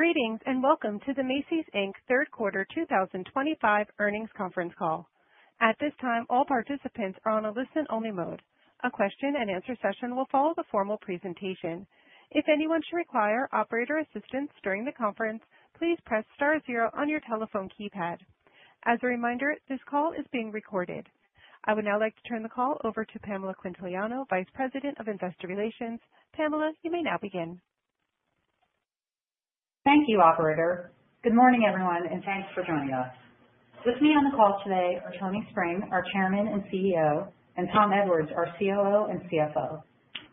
Greetings and welcome to the Macy's Inc Third Quarter 2025 earnings conference call. At this time, all participants are on a listen-only mode. A question-and-answer session will follow the formal presentation. If anyone should require operator assistance during the conference, please press star zero on your telephone keypad. As a reminder, this call is being recorded. I would now like to turn the call over to Pamela Quintiliano, Vice President of Investor Relations. Pamela, you may now begin. Thank you, Operator. Good morning, everyone, and thanks for joining us. With me on the call today are Tony Spring, our Chairman and CEO, and Tom Edwards, our COO and CFO.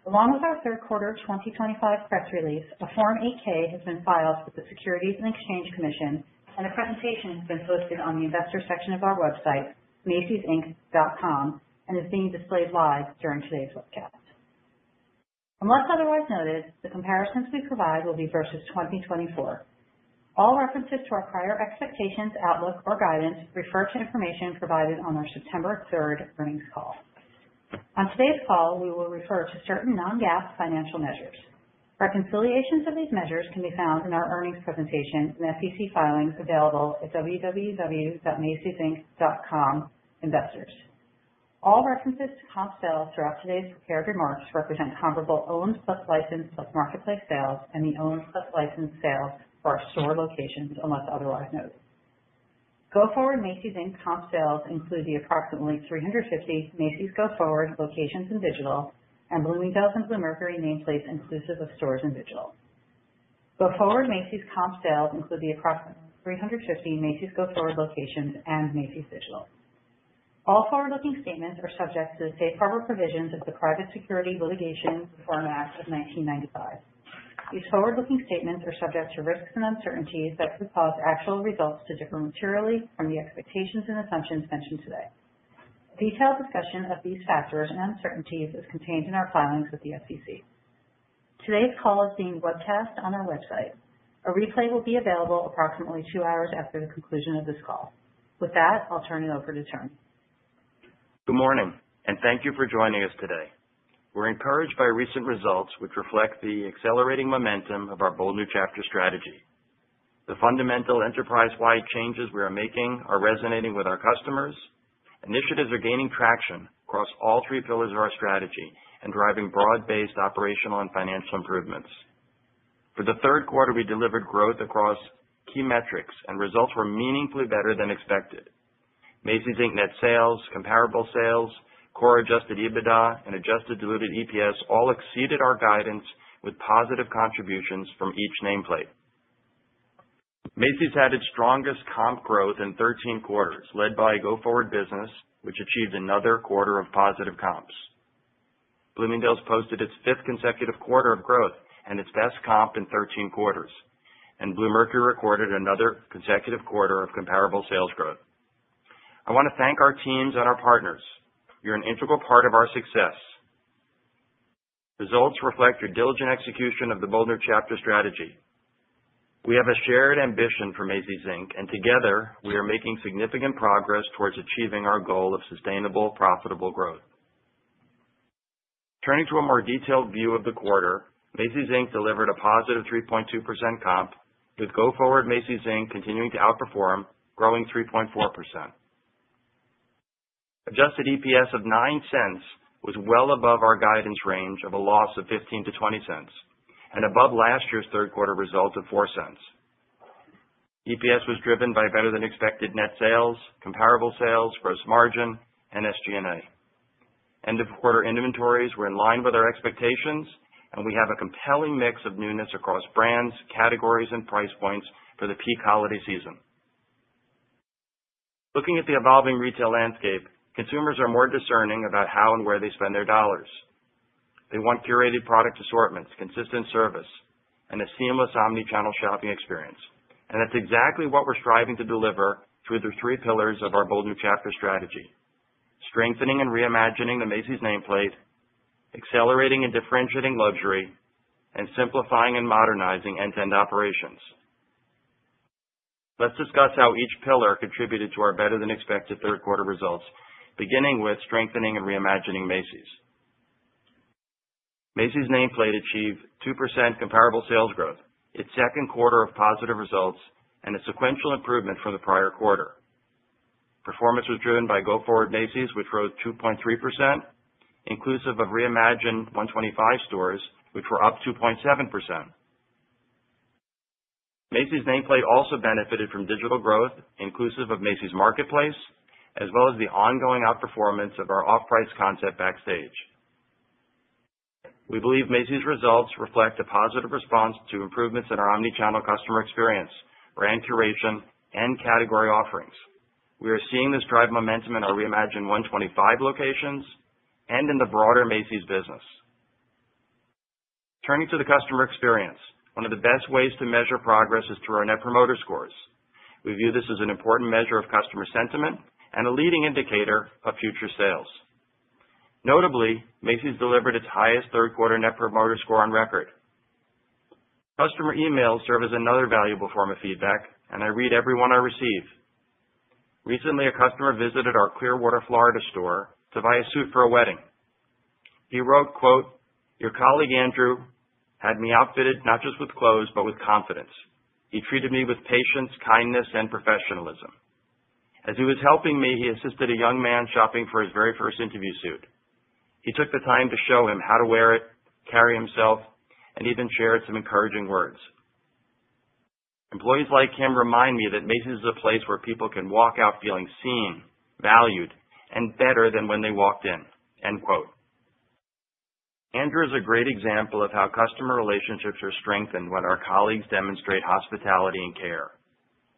Along with our Third Quarter 2025 press release, a Form 8-K has been filed with the Securities and Exchange Commission, and a presentation has been posted on the investor section of our website, macysinc.com, and is being displayed live during today's webcast. Unless otherwise noted, the comparisons we provide will be versus 2024. All references to our prior expectations, outlook, or guidance refer to information provided on our September 3rd earnings call. On today's call, we will refer to certain non-GAAP financial measures. Reconciliations of these measures can be found in our earnings presentation and SEC filings available at www.macysinc.com/investors. All references to comp sales throughout today's prepared remarks represent comparable owned plus licensed plus marketplace sales and the owned plus licensed sales for our store locations unless otherwise noted. Go-Forward Macy's Inc comp sales include the approximately 350 Macy's Go-Forward locations in digital and Bloomingdale's and Bluemercury nameplates inclusive of stores in digital. Go-Forward Macy's comp sales include the approximately 350 Macy's Go-Forward locations and Macy's digital. All forward-looking statements are subject to the safe harbor provisions of the Private Securities Litigation Reform Act of 1995. These forward-looking statements are subject to risks and uncertainties that could cause actual results to differ materially from the expectations and assumptions mentioned today. Detailed discussion of these factors and uncertainties is contained in our filings with the SEC. Today's call is being webcast on our website. A replay will be available approximately two hours after the conclusion of this call. With that, I'll turn it over to Tony. Good morning, and thank you for joining us today. We're encouraged by recent results, which reflect the accelerating momentum of our Bold New Chapter strategy. The fundamental enterprise-wide changes we are making are resonating with our customers. Initiatives are gaining traction across all three pillars of our strategy and driving broad-based operational and financial improvements. For the third quarter, we delivered growth across key metrics, and results were meaningfully better than expected. Macy's Inc net sales, comparable sales, core adjusted EBITDA, and adjusted diluted EPS all exceeded our guidance with positive contributions from each nameplate. Macy's had its strongest comp growth in 13 quarters, led by Go-Forward Business, which achieved another quarter of positive comps. Bloomingdale's posted its fifth consecutive quarter of growth and its best comp in 13 quarters, and Bluemercury recorded another consecutive quarter of comparable sales growth. I want to thank our teams and our partners. You're an integral part of our success. Results reflect your diligent execution of the Bold New Chapter strategy. We have a shared ambition for Macy's Inc, and together, we are making significant progress towards achieving our goal of sustainable, profitable growth. Turning to a more detailed view of the quarter, Macy's Inc delivered a positive 3.2% comp, with Go-Forward Macy's Inc continuing to outperform, growing 3.4%. Adjusted EPS of $0.09 was well above our guidance range of a loss of $0.15-$0.20 and above last year's third quarter result of $0.04. EPS was driven by better-than-expected net sales, comparable sales, gross margin, and SG&A. End-of-quarter inventories were in line with our expectations, and we have a compelling mix of newness across brands, categories, and price points for the peak holiday season. Looking at the evolving retail landscape, consumers are more discerning about how and where they spend their dollars. They want curated product assortments, consistent service, and a seamless omnichannel shopping experience. And that's exactly what we're striving to deliver through the three pillars of our Bold New Chapter strategy: strengthening and reimagining the Macy's nameplate, accelerating and differentiating luxury, and simplifying and modernizing end-to-end operations. Let's discuss how each pillar contributed to our better-than-expected third quarter results, beginning with strengthening and reimagining Macy's. Macy's nameplate achieved 2% comparable sales growth, its second quarter of positive results, and a sequential improvement from the prior quarter. Performance was driven by Go-Forward Macy's, which rose 2.3%, inclusive of Reimagined 125 stores, which were up 2.7%. Macy's nameplate also benefited from digital growth, inclusive of Macy's marketplace, as well as the ongoing outperformance of our off-price concept Backstage. We believe Macy's results reflect a positive response to improvements in our omnichannel customer experience, brand curation, and category offerings. We are seeing this drive momentum in our Reimagined 125 locations and in the broader Macy's business. Turning to the customer experience, one of the best ways to measure progress is through our Net Promoter Scores. We view this as an important measure of customer sentiment and a leading indicator of future sales. Notably, Macy's delivered its highest third quarter Net Promoter Score on record. Customer emails serve as another valuable form of feedback, and I read every one I receive. Recently, a customer visited our Clearwater, Florida, store to buy a suit for a wedding. He wrote, "Your colleague Andrew had me outfitted not just with clothes but with confidence. He treated me with patience, kindness, and professionalism. As he was helping me, he assisted a young man shopping for his very first interview suit. He took the time to show him how to wear it, carry himself, and even shared some encouraging words. Employees like him remind me that Macy's is a place where people can walk out feeling seen, valued, and better than when they walked in." Andrew is a great example of how customer relationships are strengthened when our colleagues demonstrate hospitality and care.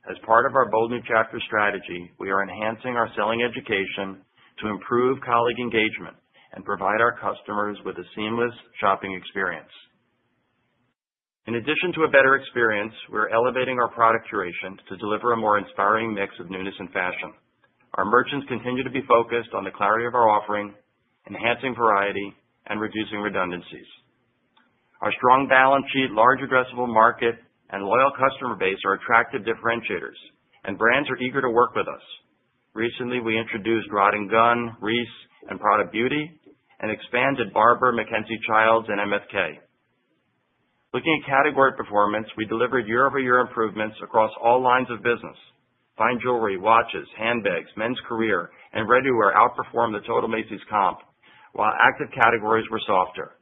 As part of our Bold New Chapter strategy, we are enhancing our selling education to improve colleague engagement and provide our customers with a seamless shopping experience. In addition to a better experience, we're elevating our product curation to deliver a more inspiring mix of newness and fashion. Our merchants continue to be focused on the clarity of our offering, enhancing variety, and reducing redundancies. Our strong balance sheet, large addressable market, and loyal customer base are attractive differentiators, and brands are eager to work with us. Recently, we introduced Rodd & Gunn, Reiss, and Prada Beauty, and expanded Barbour, MacKenzie-Childs, and MFK. Looking at category performance, we delivered year-over-year improvements across all lines of business. Fine jewelry, watches, handbags, men's career, and ready wear outperformed the total Macy's comp, while active categories were softer.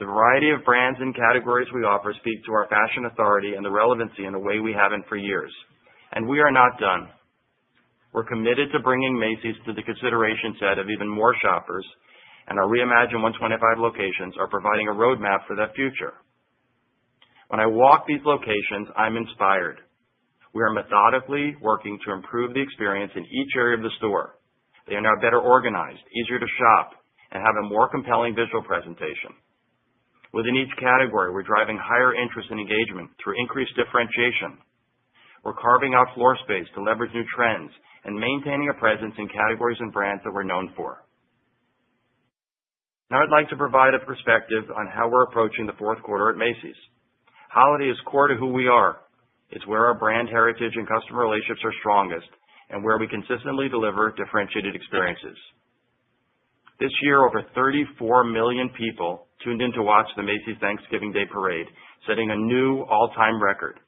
The variety of brands and categories we offer speak to our fashion authority and the relevancy in a way we haven't for years, and we are not done. We're committed to bringing Macy's to the consideration set of even more shoppers, and our Reimagined 125 locations are providing a roadmap for that future. When I walk these locations, I'm inspired. We are methodically working to improve the experience in each area of the store. They are now better organized, easier to shop, and have a more compelling visual presentation. Within each category, we're driving higher interest and engagement through increased differentiation. We're carving out floor space to leverage new trends and maintaining a presence in categories and brands that we're known for. Now, I'd like to provide a perspective on how we're approaching the fourth quarter at Macy's. Holiday is core to who we are. It's where our brand heritage and customer relationships are strongest and where we consistently deliver differentiated experiences. This year, over 34 million people tuned in to watch the Macy's Thanksgiving Day parade, setting a new all-time record.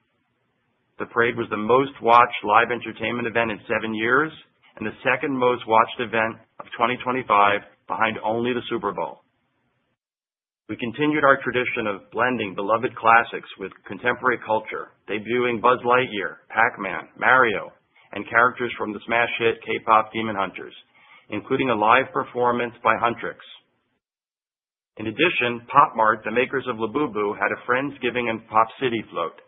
The parade was the most-watched live entertainment event in seven years and the second most-watched event of 2025, behind only the Super Bowl. We continued our tradition of blending beloved classics with contemporary culture, debuting Buzz Lightyear, Pac-Man, Mario, and characters from the smash hit K-pop Demon Hunters, including a live performance by HUNTR/X. In addition, Pop Mart, the makers of Labubu, had a Friendsgiving and Popsity float.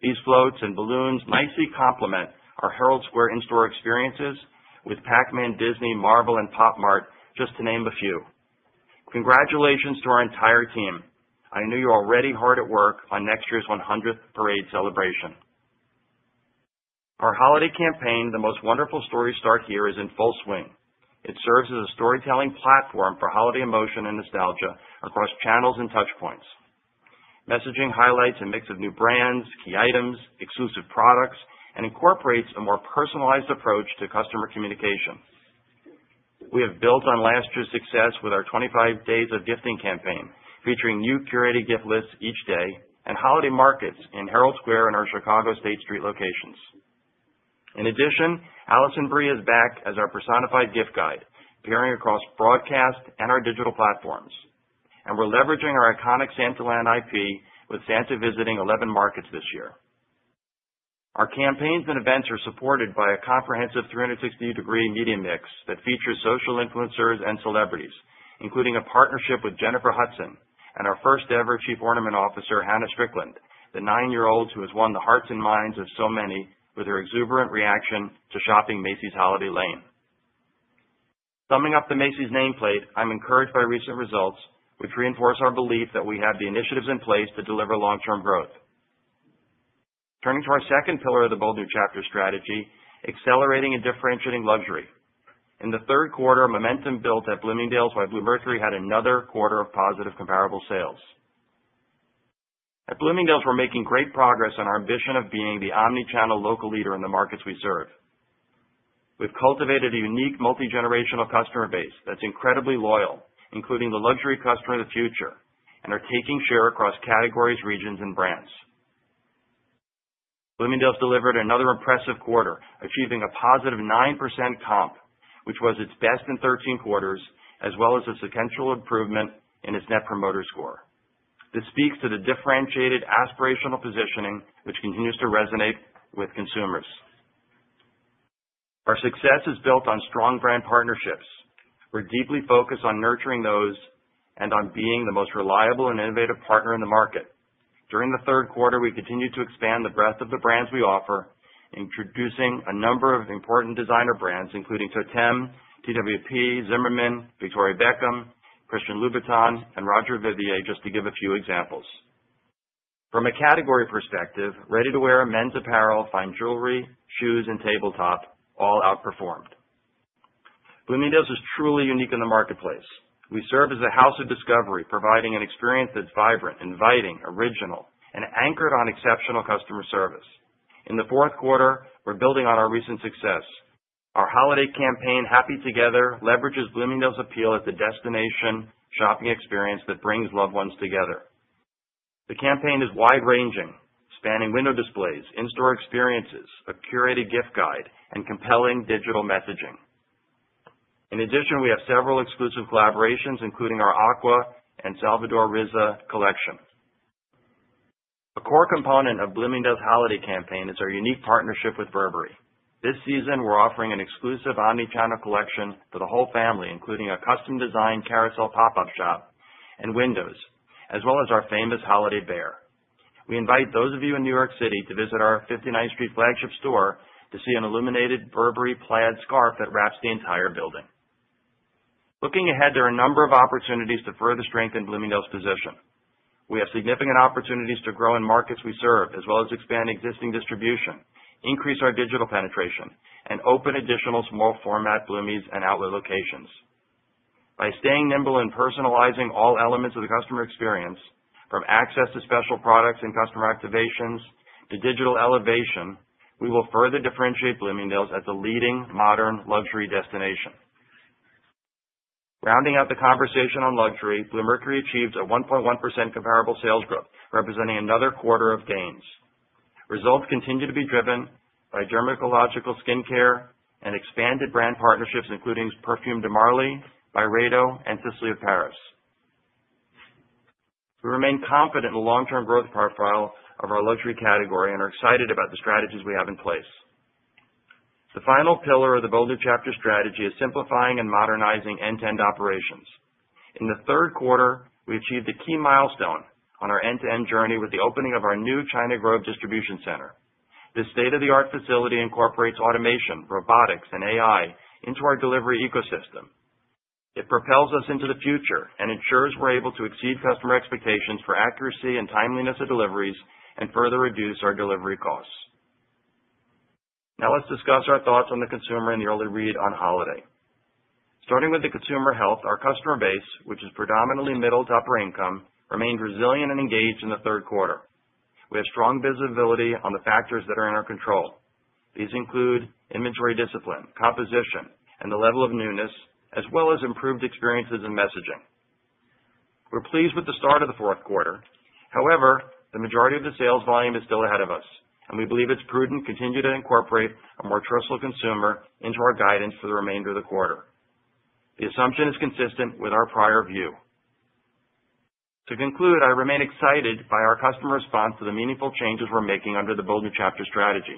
These floats and balloons nicely complement our Herald Square in-store experiences with Pac-Man, Disney, Marvel, and Pop Mart, just to name a few. Congratulations to our entire team. I know you're already hard at work on next year's 100th parade celebration. Our holiday campaign, The Most Wonderful Story starts Here, is in full swing. It serves as a storytelling platform for holiday emotion and nostalgia across channels and touchpoints. Messaging highlights a mix of new brands, key items, exclusive products, and incorporates a more personalized approach to customer communication. We have built on last year's success with our 25 Days of Gifting campaign, featuring new curated gift lists each day and holiday markets in Herald Square and our Chicago State Street locations. In addition, Allison Brie is back as our personified gift guide, appearing across broadcast and our digital platforms. And we're leveraging our iconic Santaland IP with Santa visiting 11 markets this year. Our campaigns and events are supported by a comprehensive 360-degree media mix that features social influencers and celebrities, including a partnership with Jennifer Hudson and our first-ever Chief Ornament Officer, Hannah Strickland, the nine-year-old who has won the hearts and minds of so many with her exuberant reaction to shopping Macy's Holiday Lane. Summing up the Macy's nameplate, I'm encouraged by recent results, which reinforce our belief that we have the initiatives in place to deliver long-term growth. Turning to our second pillar of the Bold New Chapter strategy, accelerating and differentiating luxury. In the third quarter, momentum built at Bloomingdale's by Bluemercury had another quarter of positive comparable sales. At Bloomingdale's, we're making great progress on our ambition of being the omnichannel local leader in the markets we serve. We've cultivated a unique multi-generational customer base that's incredibly loyal, including the luxury customer of the future, and are taking share across categories, regions, and brands. Bloomingdale's delivered another impressive quarter, achieving a positive 9% comp, which was its best in 13 quarters, as well as a sequential improvement in its Net Promoter Score. This speaks to the differentiated aspirational positioning, which continues to resonate with consumers. Our success is built on strong brand partnerships. We're deeply focused on nurturing those and on being the most reliable and innovative partner in the market. During the third quarter, we continue to expand the breadth of the brands we offer, introducing a number of important designer brands, including Totême, TWP, Zimmermann, Victoria Beckham, Christian Louboutin, and Roger Vivier, just to give a few examples. From a category perspective, ready-to-wear men's apparel, fine jewelry, shoes, and tabletop all outperformed. Bloomingdale's is truly unique in the marketplace. We serve as a house of discovery, providing an experience that's vibrant, inviting, original, and anchored on exceptional customer service. In the fourth quarter, we're building on our recent success. Our holiday campaign, Happy Together, leverages Bloomingdale's appeal as the destination shopping experience that brings loved ones together. The campaign is wide-ranging, spanning window displays, in-store experiences, a curated gift guide, and compelling digital messaging. In addition, we have several exclusive collaborations, including our Aqua and Salvador Pérez collection. A core component of Bloomingdale's holiday campaign is our unique partnership with Burberry. This season, we're offering an exclusive omnichannel collection for the whole family, including a custom-designed carousel pop-up shop and windows, as well as our famous holiday bear. We invite those of you in New York City to visit our 59th Street flagship store to see an illuminated Burberry plaid scarf that wraps the entire building. Looking ahead, there are a number of opportunities to further strengthen Bloomingdale's position. We have significant opportunities to grow in markets we serve, as well as expand existing distribution, increase our digital penetration, and open additional small-format Bloomies and outlet locations. By staying nimble in personalizing all elements of the customer experience, from access to special products and customer activations to digital elevation, we will further differentiate Bloomingdale's as a leading modern luxury destination. Rounding out the conversation on luxury, Bluemercury achieved a 1.1% comparable sales growth, representing another quarter of gains. Results continue to be driven by dermatological skincare and expanded brand partnerships, including Parfums de Marly, Byredo, and Sisley-Paris. We remain confident in the long-term growth profile of our luxury category and are excited about the strategies we have in place. The final pillar of the Bold New Chapter strategy is simplifying and modernizing end-to-end operations. In the third quarter, we achieved a key milestone on our end-to-end journey with the opening of our new China Grove Distribution Center. This state-of-the-art facility incorporates automation, robotics, and AI into our delivery ecosystem. It propels us into the future and ensures we're able to exceed customer expectations for accuracy and timeliness of deliveries and further reduce our delivery costs. Now, let's discuss our thoughts on the consumer and the early read on holiday. starting with the consumer health, our customer base, which is predominantly middle to upper income, remained resilient and engaged in the third quarter. We have strong visibility on the factors that are in our control. These include inventory discipline, composition, and the level of newness, as well as improved experiences and messaging. We're pleased with the start of the fourth quarter. However, the majority of the sales volume is still ahead of us, and we believe it's prudent to continue to incorporate a more trustful consumer into our guidance for the remainder of the quarter. The assumption is consistent with our prior view. To conclude, I remain excited by our customer response to the meaningful changes we're making under the Bold New Chapter strategy.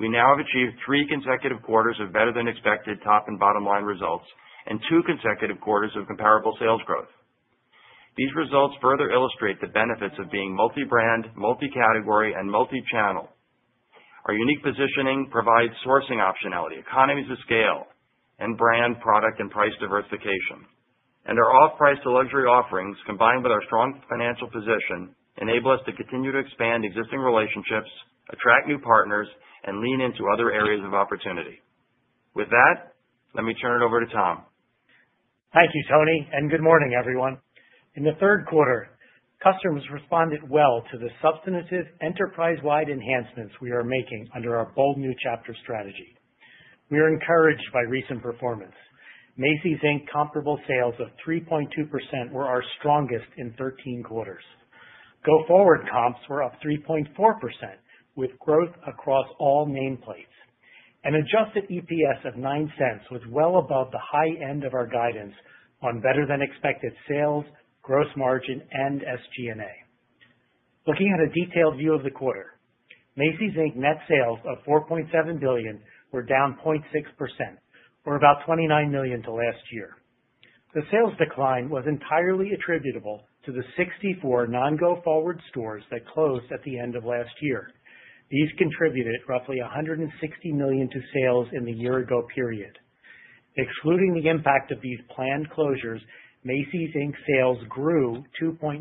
We now have achieved three consecutive quarters of better-than-expected top and bottom-line results and two consecutive quarters of comparable sales growth. These results further illustrate the benefits of being multi-brand, multi-category, and multi-channel. Our unique positioning provides sourcing optionality, economies of scale, and brand, product, and price diversification. And our off-price to luxury offerings, combined with our strong financial position, enable us to continue to expand existing relationships, attract new partners, and lean into other areas of opportunity. With that, let me turn it over to Tom. Thank you, Tony, and good morning, everyone. In the third quarter, customers responded well to the substantive enterprise-wide enhancements we are making under our Bold New Chapter strategy. We are encouraged by recent performance. Macy's Inc comparable sales of 3.2% were our strongest in 13 quarters. Go-Forward comps were up 3.4% with growth across all nameplates. An adjusted EPS of $0.09 was well above the high end of our guidance on better-than-expected sales, gross margin, and SG&A. Looking at a detailed view of the quarter, Macy's Inc net sales of $4.7 billion were down 0.6%, or about $29 million to last year. The sales decline was entirely attributable to the 64 non-Go-Forward stores that closed at the end of last year. These contributed roughly $160 million to sales in the year-ago period. Excluding the impact of these planned closures, Macy's Inc sales grew 2.9%.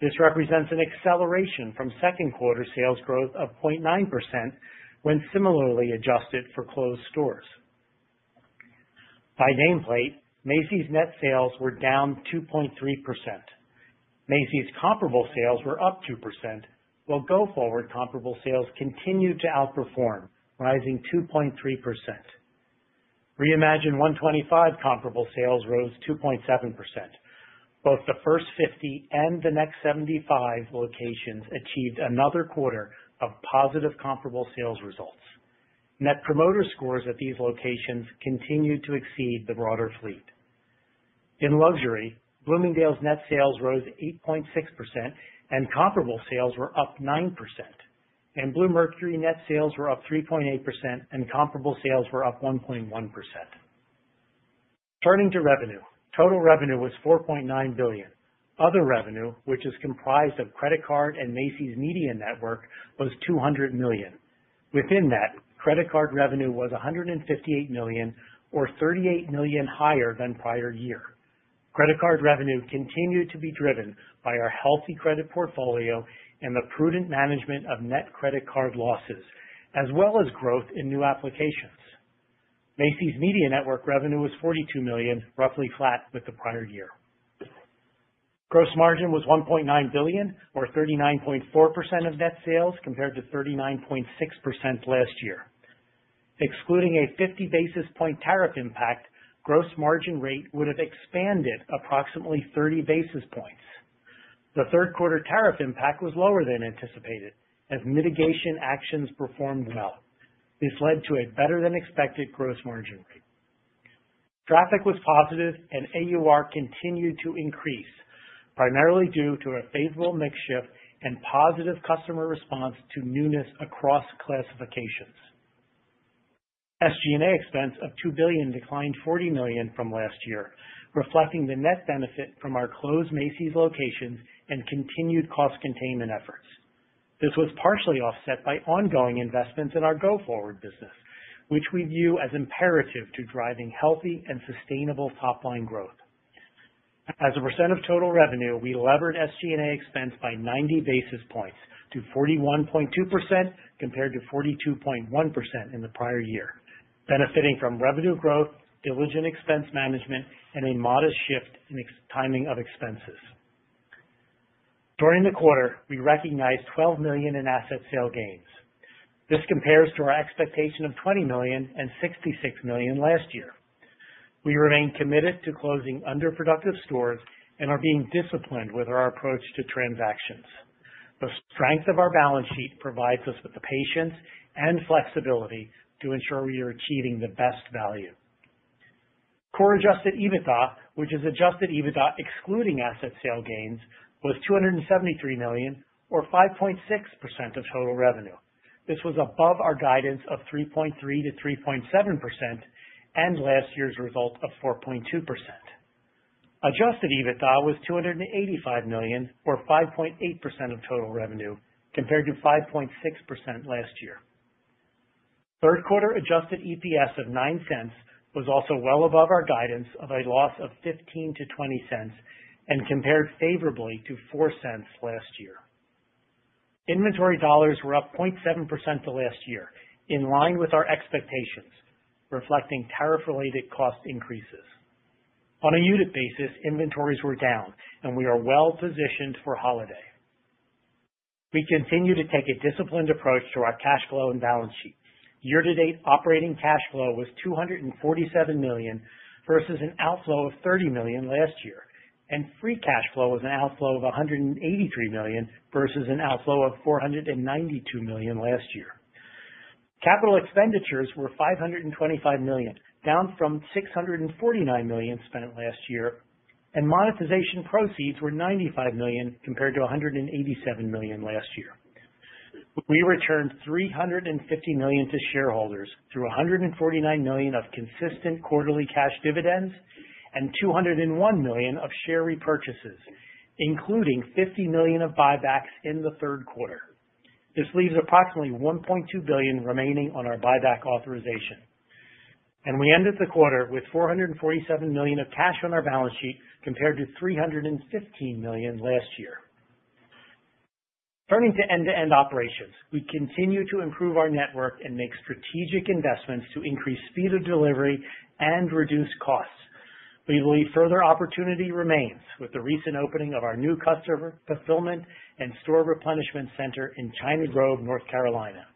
This represents an acceleration from second quarter sales growth of 0.9% when similarly adjusted for closed stores. By nameplate, Macy's net sales were down 2.3%. Macy's comparable sales were up 2%, while Go-Forward comparable sales continued to outperform, rising 2.3%. Reimagined 125 comparable sales rose 2.7%. Both the first 50 and the next 75 locations achieved another quarter of positive comparable sales results. Net promoter scores at these locations continued to exceed the broader fleet. In luxury, Bloomingdale's net sales rose 8.6%, and comparable sales were up 9%, and Bluemercury net sales were up 3.8%, and comparable sales were up 1.1%. Turning to revenue, total revenue was $4.9 billion. Other revenue, which is comprised of credit card and Macy's Media Network, was $200 million. Within that, credit card revenue was $158 million, or $38 million higher than prior year. Credit card revenue continued to be driven by our healthy credit portfolio and the prudent management of net credit card losses, as well as growth in new applications. Macy's Media Network revenue was $42 million, roughly flat with the prior year. Gross margin was $1.9 billion, or 39.4% of net sales, compared to 39.6% last year. Excluding a 50 basis point tariff impact, gross margin rate would have expanded approximately 30 basis points. The third quarter tariff impact was lower than anticipated, as mitigation actions performed well. This led to a better-than-expected gross margin rate. Traffic was positive, and AUR continued to increase, primarily due to a favorable mix shift and positive customer response to newness across classifications. SG&A expense of $2 billion declined $40 million from last year, reflecting the net benefit from our closed Macy's locations and continued cost containment efforts. This was partially offset by ongoing investments in our Go-Forward business, which we view as imperative to driving healthy and sustainable top-line growth. As a percent of total revenue, we levered SG&A expense by 90 basis points to 41.2% compared to 42.1% in the prior year, benefiting from revenue growth, diligent expense management, and a modest shift in timing of expenses. During the quarter, we recognized $12 million in asset sale gains. This compares to our expectation of $20 million and $66 million last year. We remain committed to closing underproductive stores and are being disciplined with our approach to transactions. The strength of our balance sheet provides us with the patience and flexibility to ensure we are achieving the best value. Core adjusted EBITDA, which is adjusted EBITDA excluding asset sale gains, was $273 million, or 5.6% of total revenue. This was above our guidance of 3.3%-3.7% and last year's result of 4.2%. Adjusted EBITDA was $285 million, or 5.8% of total revenue, compared to 5.6% last year. Third quarter adjusted EPS of $0.09 was also well above our guidance of a loss of $0.15-$0.20 and compared favorably to $0.04 last year. Inventory dollars were up 0.7% the last year, in line with our expectations, reflecting tariff-related cost increases. On a unit basis, inventories were down, and we are well-positioned for holiday. We continue to take a disciplined approach to our cash flow and balance sheet. Year-to-date operating cash flow was $247 million versus an outflow of $30 million last year, and free cash flow was an outflow of $183 million versus an outflow of $492 million last year. Capital expenditures were $525 million, down from $649 million spent last year, and monetization proceeds were $95 million compared to $187 million last year. We returned $350 million to shareholders through $149 million of consistent quarterly cash dividends and $201 million of share repurchases, including $50 million of buybacks in the third quarter. This leaves approximately $1.2 billion remaining on our buyback authorization. We ended the quarter with $447 million of cash on our balance sheet compared to $315 million last year. Turning to end-to-end operations, we continue to improve our network and make strategic investments to increase speed of delivery and reduce costs. We believe further opportunity remains with the recent opening of our new customer fulfillment and store replenishment center in China Grove, North Carolina.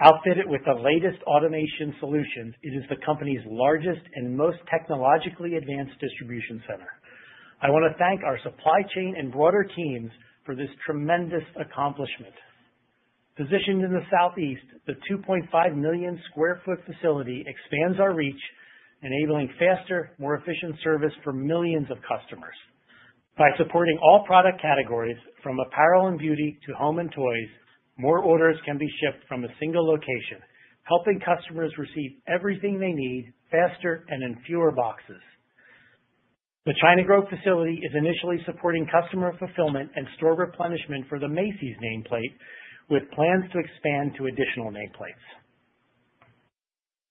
Outfitted with the latest automation solutions, it is the company's largest and most technologically advanced distribution center. I want to thank our supply chain and broader teams for this tremendous accomplishment. Positioned in the Southeast, the 2.5 million sq ft facility expands our reach, enabling faster, more efficient service for millions of customers. By supporting all product categories, from apparel and beauty to home and toys, more orders can be shipped from a single location, helping customers receive everything they need faster and in fewer boxes. The China Grove facility is initially supporting customer fulfillment and store replenishment for the Macy's nameplate, with plans to expand to additional nameplates.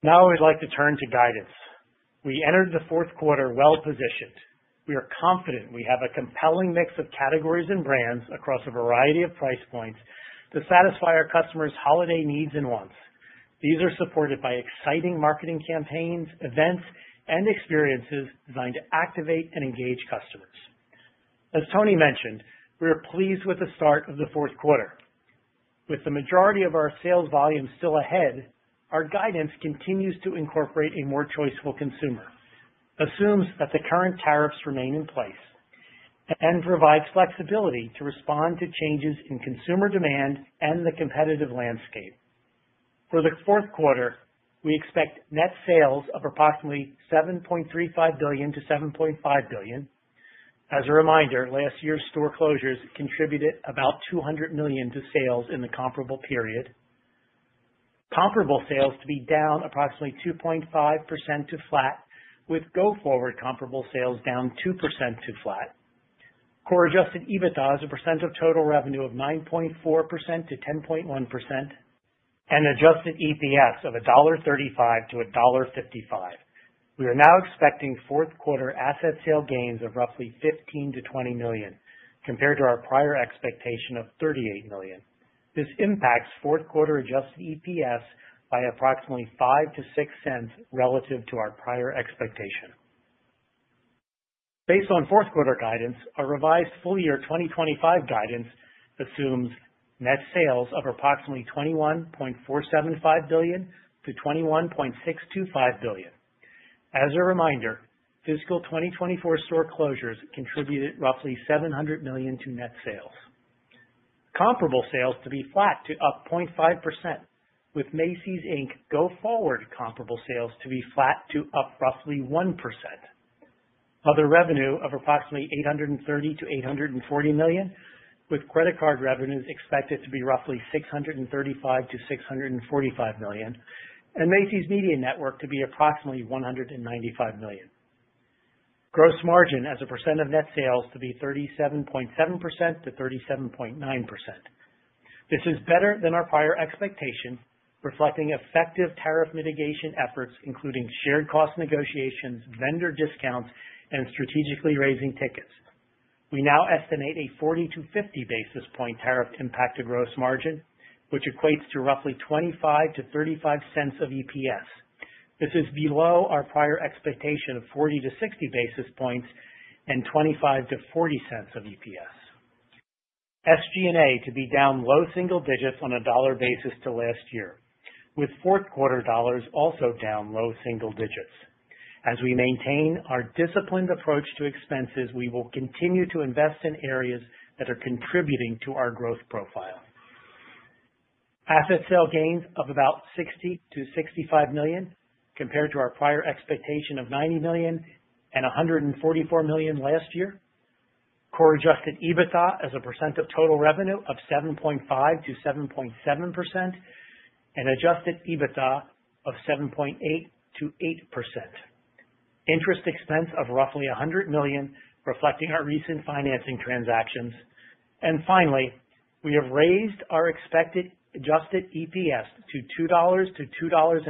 Now, I would like to turn to guidance. We entered the fourth quarter well-positioned. We are confident we have a compelling mix of categories and brands across a variety of price points to satisfy our customers' holiday needs and wants. These are supported by exciting marketing campaigns, events, and experiences designed to activate and engage customers. As Tony mentioned, we are pleased with the start of the fourth quarter. With the majority of our sales volume still ahead, our guidance continues to incorporate a more choiceful consumer, assumes that the current tariffs remain in place, and provides flexibility to respond to changes in consumer demand and the competitive landscape. For the fourth quarter, we expect net sales of approximately $7.35 billion-$7.5 billion. As a reminder, last year's store closures contributed about $200 million to sales in the comparable period, comparable sales to be down approximately 2.5% to flat, with Go-Forward comparable sales down 2% to flat. Core Adjusted EBITDA is a percent of total revenue of 9.4%-10.1% and adjusted EPS of $1.35-$1.55. We are now expecting fourth quarter Asset Sale Gains of roughly $15-$20 million compared to our prior expectation of $38 million. This impacts fourth quarter adjusted EPS by approximately $0.05-$0.06 relative to our prior expectation. Based on fourth quarter guidance, our revised full year 2025 guidance assumes net sales of approximately $21.475 billion-$21.625 billion. As a reminder, fiscal 2024 store closures contributed roughly $700 million to net sales. Comparable sales to be flat to up 0.5%, with Macy's Inc Go-Forward comparable sales to be flat to up roughly 1%. Other revenue of approximately $830 million-$840 million, with credit card revenues expected to be roughly $635 million-$645 million, and Macy's Media Network to be approximately $195 million. Gross margin as a percent of net sales to be 37.7%-37.9%. This is better than our prior expectation, reflecting effective tariff mitigation efforts, including shared cost negotiations, vendor discounts, and strategically raising tickets. We now estimate 40-50 basis point tariff impact to gross margin, which equates to roughly $0.25-$0.35 of EPS. This is below our prior expectation 40-60 basis points and $0.25-$0.40 of EPS. SG&A to be down low single digits on a dollar basis to last year, with fourth quarter dollars also down low single digits. As we maintain our disciplined approach to expenses, we will continue to invest in areas that are contributing to our growth profile. Asset sale gains of about $60-$65 million compared to our prior expectation of $90 million and $144 million last year. Core adjusted EBITDA as a percent of total revenue of 7.5-7.7% and adjusted EBITDA of 7.8-8%. Interest expense of roughly $100 million, reflecting our recent financing transactions. And finally, we have raised our expected adjusted EPS to $2.00-$2.20.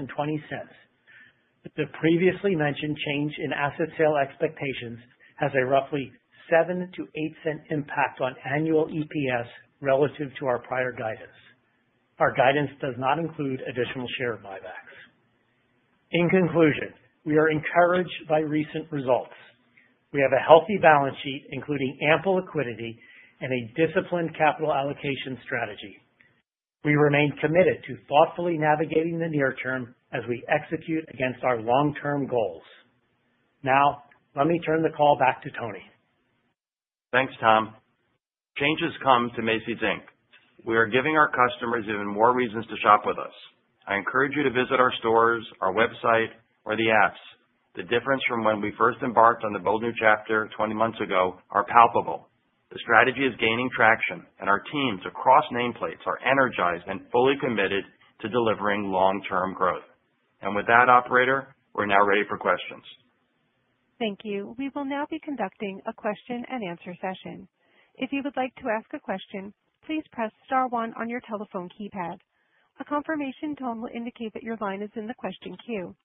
The previously mentioned change in asset sale expectations has a roughly $0.07-$0.08 impact on annual EPS relative to our prior guidance. Our guidance does not include additional share buybacks. In conclusion, we are encouraged by recent results. We have a healthy balance sheet, including ample liquidity and a disciplined capital allocation strategy. We remain committed to thoughtfully navigating the near term as we execute against our long-term goals. Now, let me turn the call back to Tony. Thanks, Tom. Changes come to Macy's Inc We are giving our customers even more reasons to shop with us. I encourage you to visit our stores, our website, or the apps. The difference from when we first embarked on the Bold New Chapter 20 months ago is palpable. The strategy is gaining traction, and our teams across nameplates are energized and fully committed to delivering long-term growth. And with that, operator, we're now ready for questions. Thank you. We will now be conducting a question and answer session. If you would like to ask a question, please press star one on your telephone keypad. A confirmation tone will indicate that your line is in the question queue.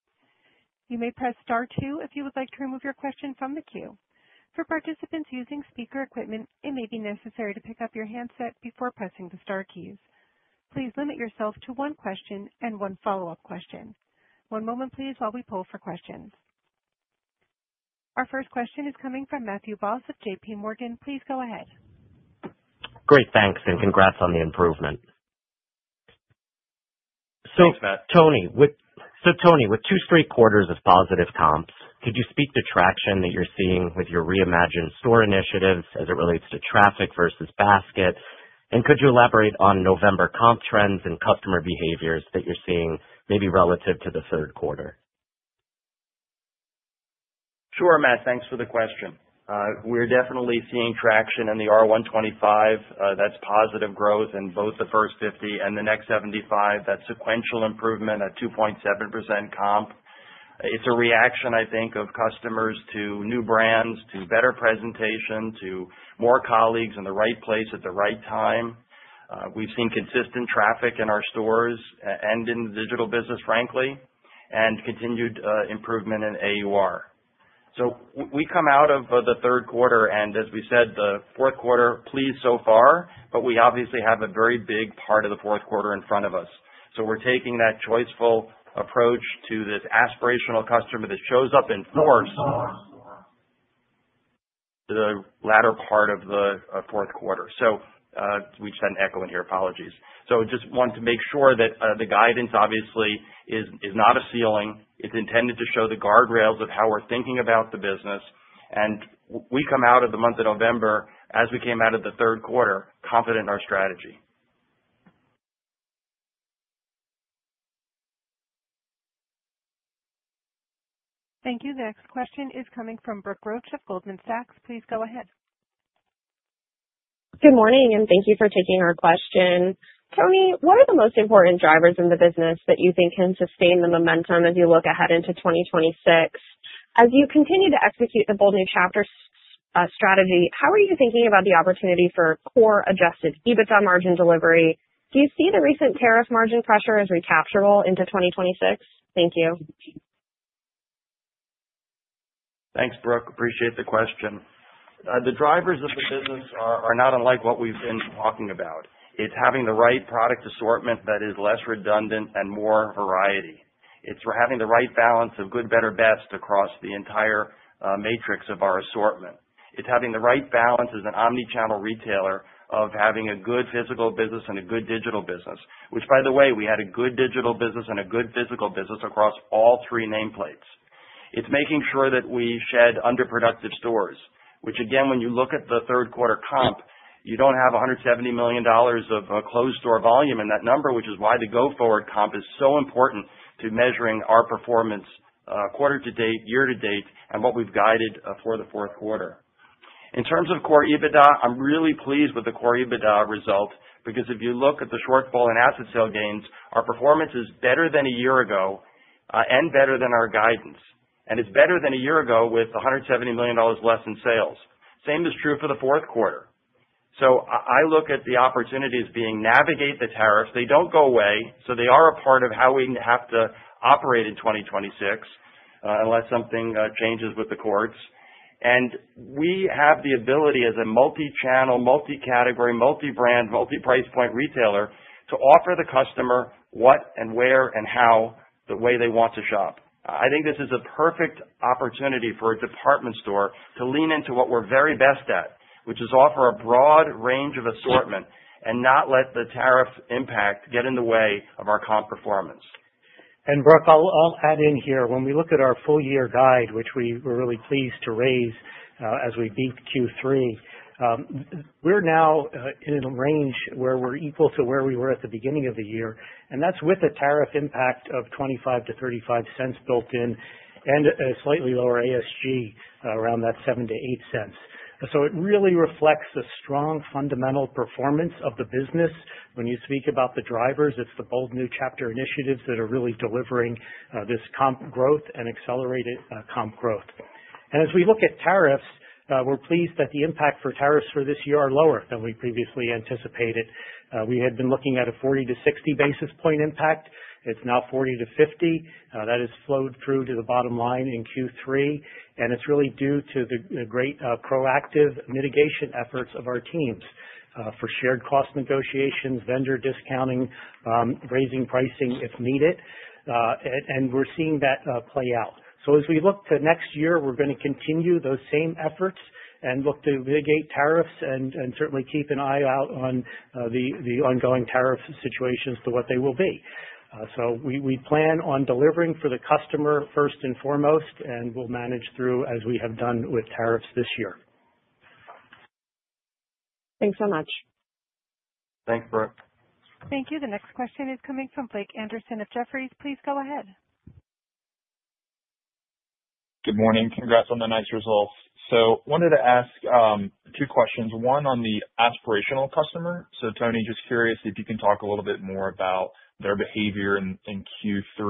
You may press star two if you would like to remove your question from the queue. For participants using speaker equipment, it may be necessary to pick up your handset before pressing the star keys. Please limit yourself to one question and one follow-up question. One moment, please, while we poll for questions. Our first question is coming from Matthew Boss of JPMorgan. Please go ahead. Great. Thanks, and congrats on the improvement. Thanks, Matt. So, Tony, with two straight quarters of positive comps, could you speak to traction that you're seeing with your reimagined store initiatives as it relates to traffic versus basket? And could you elaborate on November comp trends and customer behaviors that you're seeing, maybe relative to the third quarter? Sure, Matt. Thanks for the question. We're definitely seeing traction in the R125. That's positive growth in both the first 50 and the next 75. That's sequential improvement at 2.7% comp. It's a reaction, I think, of customers to new brands, to better presentation, to more colleagues in the right place at the right time. We've seen consistent traffic in our stores and in the digital business, frankly, and continued improvement in AUR. So we come out of the third quarter, and as we said, the fourth quarter pleased so far, but we obviously have a very big part of the fourth quarter in front of us. So we're taking that choiceful approach to this aspirational customer that shows up in force the latter part of the fourth quarter. So we just had an echo in here. Apologies. So just wanted to make sure that the guidance, obviously, is not a ceiling. It's intended to show the guardrails of how we're thinking about the business. And we come out of the month of November, as we came out of the third quarter, confident in our strategy. Thank you. The next question is coming from Brooke Roach of Goldman Sachs. Please go ahead. Good morning, and thank you for taking our question. Tony, what are the most important drivers in the business that you think can sustain the momentum as you look ahead into 2026? As you continue to execute the Bold New Chapter strategy, how are you thinking about the opportunity for core Adjusted EBITDA margin delivery? Do you see the recent tariff margin pressure as recapturable into 2026? Thank you. Thanks, Brooke. Appreciate the question. The drivers of the business are not unlike what we've been talking about. It's having the right product assortment that is less redundant and more variety. It's having the right balance of good, better, best across the entire matrix of our assortment. It's having the right balance as an omnichannel retailer of having a good physical business and a good digital business, which, by the way, we had a good digital business and a good physical business across all three nameplates. It's making sure that we shed underproductive stores, which, again, when you look at the third quarter comp, you don't have $170 million of closed store volume in that number, which is why the Go-Forward comp is so important to measuring our performance quarter to date, year to date, and what we've guided for the fourth quarter. In terms of core EBITDA, I'm really pleased with the core EBITDA result because if you look at the shortfall in Asset Sale Gains, our performance is better than a year ago and better than our guidance, and it's better than a year ago with $170 million less in sales. Same is true for the fourth quarter, so I look at the opportunities being to navigate the tariffs. They don't go away, so they are a part of how we have to operate in 2026 unless something changes with the courts. We have the ability, as a multi-channel, multi-category, multi-brand, multi-price point retailer, to offer the customer what and where and how the way they want to shop. I think this is a perfect opportunity for a department store to lean into what we're very best at, which is offer a broad range of assortment and not let the tariff impact get in the way of our comp performance. Brooke, I'll add in here. When we look at our full year guide, which we were really pleased to raise as we beat Q3, we're now in a range where we're equal to where we were at the beginning of the year, and that's with a tariff impact of $0.25-$0.35 built in and a slightly lower ASG around that $0.07-$0.08. So it really reflects the strong fundamental performance of the business. When you speak about the drivers, it's the Bold New Chapter initiatives that are really delivering this comp growth and accelerated comp growth. And as we look at tariffs, we're pleased that the impact for tariffs for this year are lower than we previously anticipated. We had been looking at a 40-60 basis point impact. It's now 40-50. That has flowed through to the bottom line in Q3, and it's really due to the great proactive mitigation efforts of our teams for shared cost negotiations, vendor discounting, raising pricing if needed, and we're seeing that play out. So as we look to next year, we're going to continue those same efforts and look to mitigate tariffs and certainly keep an eye out on the ongoing tariff situations to what they will be. So we plan on delivering for the customer first and foremost, and we'll manage through as we have done with tariffs this year. Thanks so much. Thanks, Brooke. Thank you. The next question is coming from Blake Anderson of Jefferies. Please go ahead. Good morning. Congrats on the nice results. So I wanted to ask two questions. One on the aspirational customer. So Tony, just curious if you can talk a little bit more about their behavior in Q3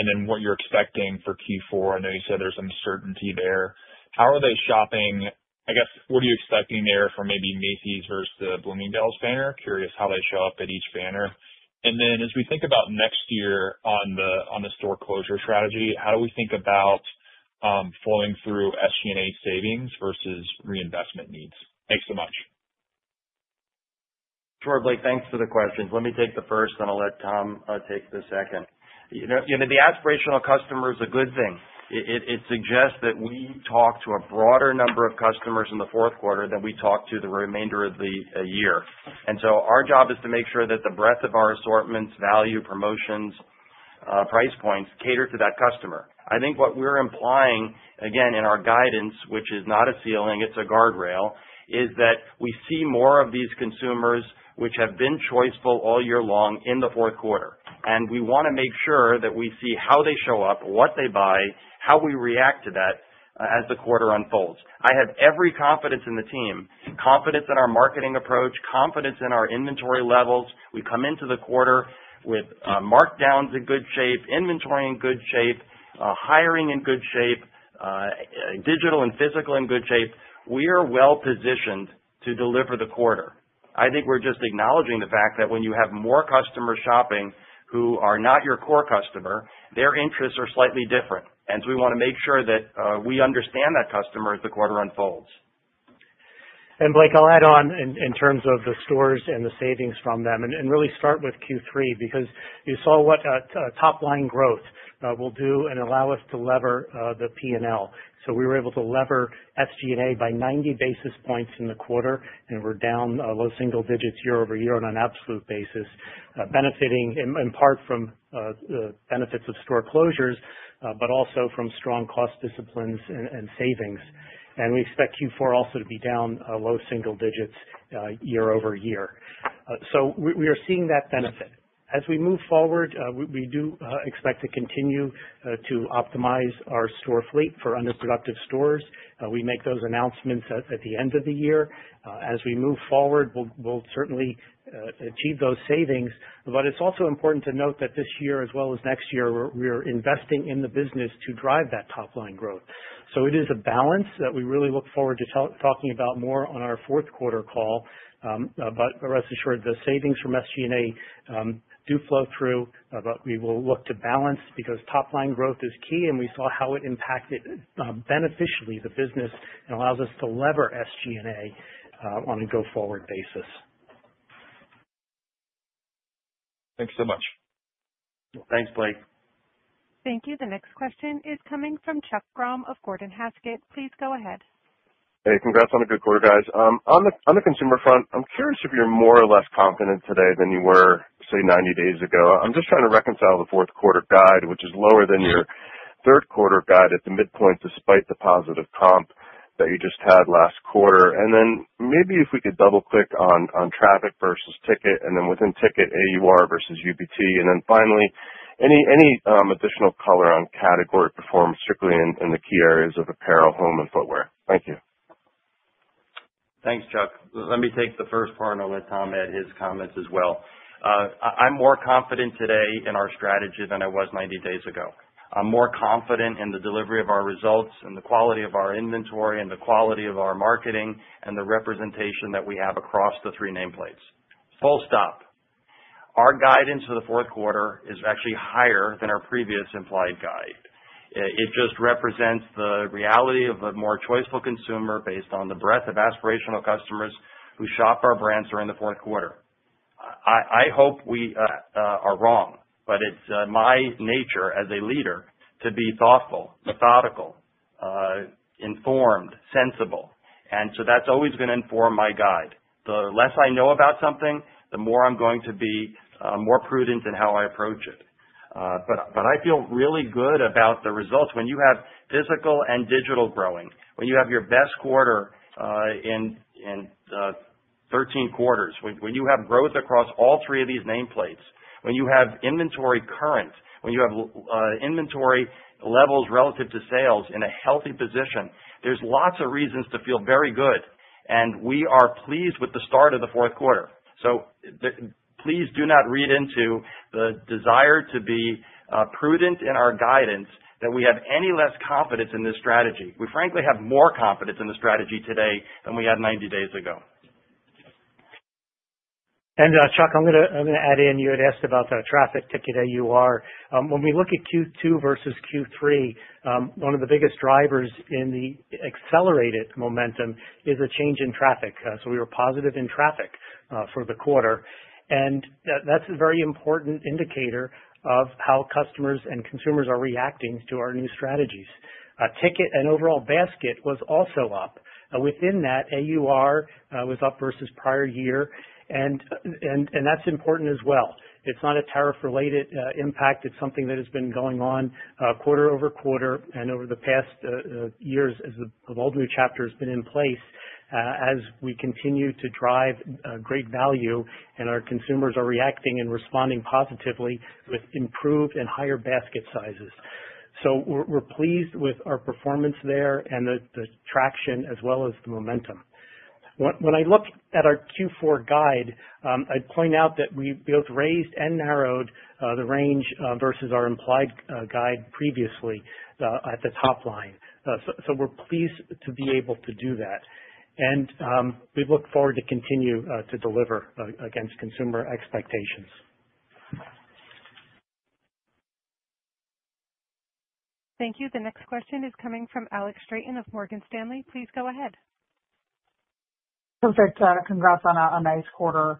and then what you're expecting for Q4. I know you said there's uncertainty there. How are they shopping? I guess, what are you expecting there for maybe Macy's versus the Bloomingdale's banner? Curious how they show up at each banner. And then as we think about next year on the store closure strategy, how do we think about flowing through SG&A savings versus reinvestment needs? Thanks so much. Sure, Blake. Thanks for the questions. Let me take the first, and I'll let Tom take the second. The aspirational customer is a good thing. It suggests that we talk to a broader number of customers in the fourth quarter than we talk to the remainder of the year. And so our job is to make sure that the breadth of our assortments, value, promotions, price points cater to that customer. I think what we're implying, again, in our guidance, which is not a ceiling, it's a guardrail, is that we see more of these consumers which have been choiceful all year long in the fourth quarter. And we want to make sure that we see how they show up, what they buy, how we react to that as the quarter unfolds. I have every confidence in the team, confidence in our marketing approach, confidence in our inventory levels. We come into the quarter with markdowns in good shape, inventory in good shape, hiring in good shape, digital and physical in good shape. We are well positioned to deliver the quarter. I think we're just acknowledging the fact that when you have more customers shopping who are not your core customer, their interests are slightly different. And so we want to make sure that we understand that customer as the quarter unfolds. And Blake, I'll add on in terms of the stores and the savings from them and really start with Q3 because you saw what top-line growth will do and allow us to lever the P&L. So we were able to leverage SG&A by 90 basis points in the quarter, and we're down low single digits year over year on an absolute basis, benefiting in part from the benefits of store closures, but also from strong cost disciplines and savings. And we expect Q4 also to be down low single digits year over year. So we are seeing that benefit. As we move forward, we do expect to continue to optimize our store fleet for underproductive stores. We make those announcements at the end of the year. As we move forward, we'll certainly achieve those savings. But it's also important to note that this year, as well as next year, we're investing in the business to drive that top-line growth. So it is a balance that we really look forward to talking about more on our fourth quarter call. But rest assured, the savings from SG&A do flow through, but we will look to balance because top-line growth is key, and we saw how it impacted beneficially the business and allows us to lever SG&A on a go-forward basis. Thanks so much. Thanks, Blake. Thank you. The next question is coming from Chuck Grom of Gordon Haskett. Please go ahead. Hey, congrats on the good quarter, guys. On the consumer front, I'm curious if you're more or less confident today than you were, say, 90 days ago. I'm just trying to reconcile the fourth quarter guide, which is lower than your third quarter guide at the midpoint despite the positive comp that you just had last quarter. And then maybe if we could double-click on traffic versus ticket, and then within ticket, AUR versus UBT. And then finally, any additional color on category performance strictly in the key areas of apparel, home, and footwear? Thank you. Thanks, Chuck. Let me take the first part and let Tom add his comments as well. I'm more confident today in our strategy than I was 90 days ago. I'm more confident in the delivery of our results and the quality of our inventory and the quality of our marketing and the representation that we have across the three nameplates. Full stop. Our guidance for the fourth quarter is actually higher than our previous implied guide. It just represents the reality of a more choiceful consumer based on the breadth of aspirational customers who shop our brands during the fourth quarter. I hope we are wrong, but it's my nature as a leader to be thoughtful, methodical, informed, sensible. And so that's always going to inform my guide. The less I know about something, the more I'm going to be more prudent in how I approach it. But I feel really good about the results when you have physical and digital growing, when you have your best quarter in 13 quarters, when you have growth across all three of these nameplates, when you have inventory current, when you have inventory levels relative to sales in a healthy position. There's lots of reasons to feel very good, and we are pleased with the start of the fourth quarter. So please do not read into the desire to be prudent in our guidance that we have any less confidence in this strategy. We, frankly, have more confidence in the strategy today than we had 90 days ago. And Chuck, I'm going to add in. You had asked about the traffic tick-up, AUR. When we look at Q2 versus Q3, one of the biggest drivers in the accelerated momentum is a change in traffic. So we were positive in traffic for the quarter. And that's a very important indicator of how customers and consumers are reacting to our new strategies. Ticket and overall basket was also up. Within that, AUR was up versus prior year, and that's important as well. It's not a tariff-related impact. It's something that has been going on quarter over quarter, and over the past years as the Bold New Chapter has been in place as we continue to drive great value, and our consumers are reacting and responding positively with improved and higher basket sizes. So we're pleased with our performance there and the traction as well as the momentum. When I look at our Q4 guide, I'd point out that we both raised and narrowed the range versus our implied guide previously at the top line. So we're pleased to be able to do that. And we look forward to continue to deliver against consumer expectations. Thank you. The next question is coming from Alex Straton of Morgan Stanley. Please go ahead. Perfect. Congrats on a nice quarter.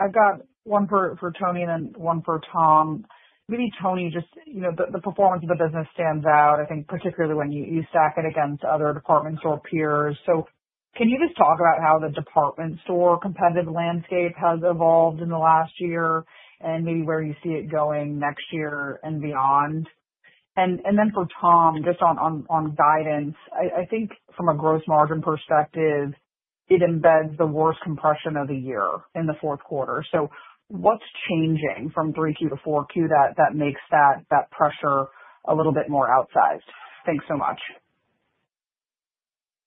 I've got one for Tony and then one for Tom. Maybe Tony, just the performance of the business stands out, I think, particularly when you stack it against other department store peers. So can you just talk about how the department store competitive landscape has evolved in the last year and maybe where you see it going next year and beyond? And then for Tom, just on guidance, I think from a gross margin perspective, it embeds the worst compression of the year in the fourth quarter. So what's changing from 3Q to 4Q that makes that pressure a little bit more outsized? Thanks so much.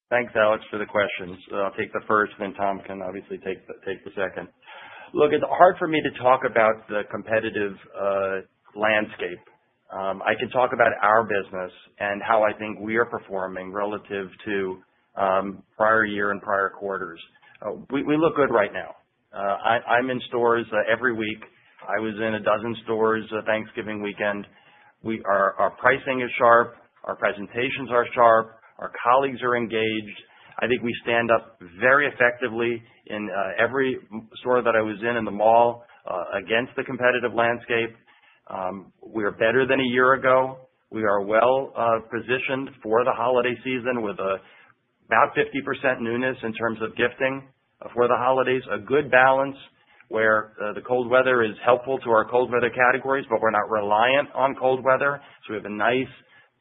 Thanks, Alex, for the questions. I'll take the first, and then Tom can obviously take the second. Look, it's hard for me to talk about the competitive landscape. I can talk about our business and how I think we are performing relative to prior year and prior quarters. We look good right now. I'm in stores every week. I was in a dozen stores Thanksgiving weekend. Our pricing is sharp. Our presentations are sharp. Our colleagues are engaged. I think we stand up very effectively in every store that I was in in the mall against the competitive landscape. We are better than a year ago. We are well positioned for the holiday season with about 50% newness in terms of gifting for the holidays. A good balance where the cold weather is helpful to our cold weather categories, but we're not reliant on cold weather. So we have a nice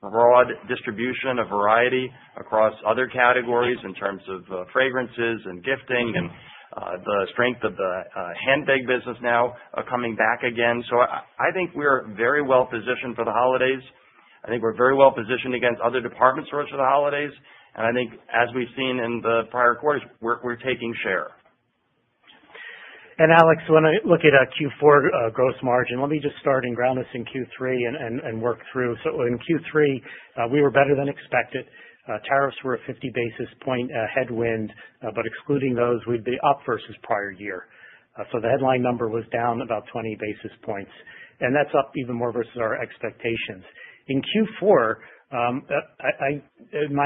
broad distribution of variety across other categories in terms of fragrances and gifting and the strength of the handbag business now coming back again. So I think we're very well positioned for the holidays. I think we're very well positioned against other department stores for the holidays. And I think, as we've seen in the prior quarters, we're taking share. And Alex, when I look at Q4 gross margin, let me just start and ground us in Q3 and work through. So in Q3, we were better than expected. Tariffs were a 50 basis point headwind, but excluding those, we'd be up versus prior year. So the headline number was down about 20 basis points, and that's up even more versus our expectations. In Q4, my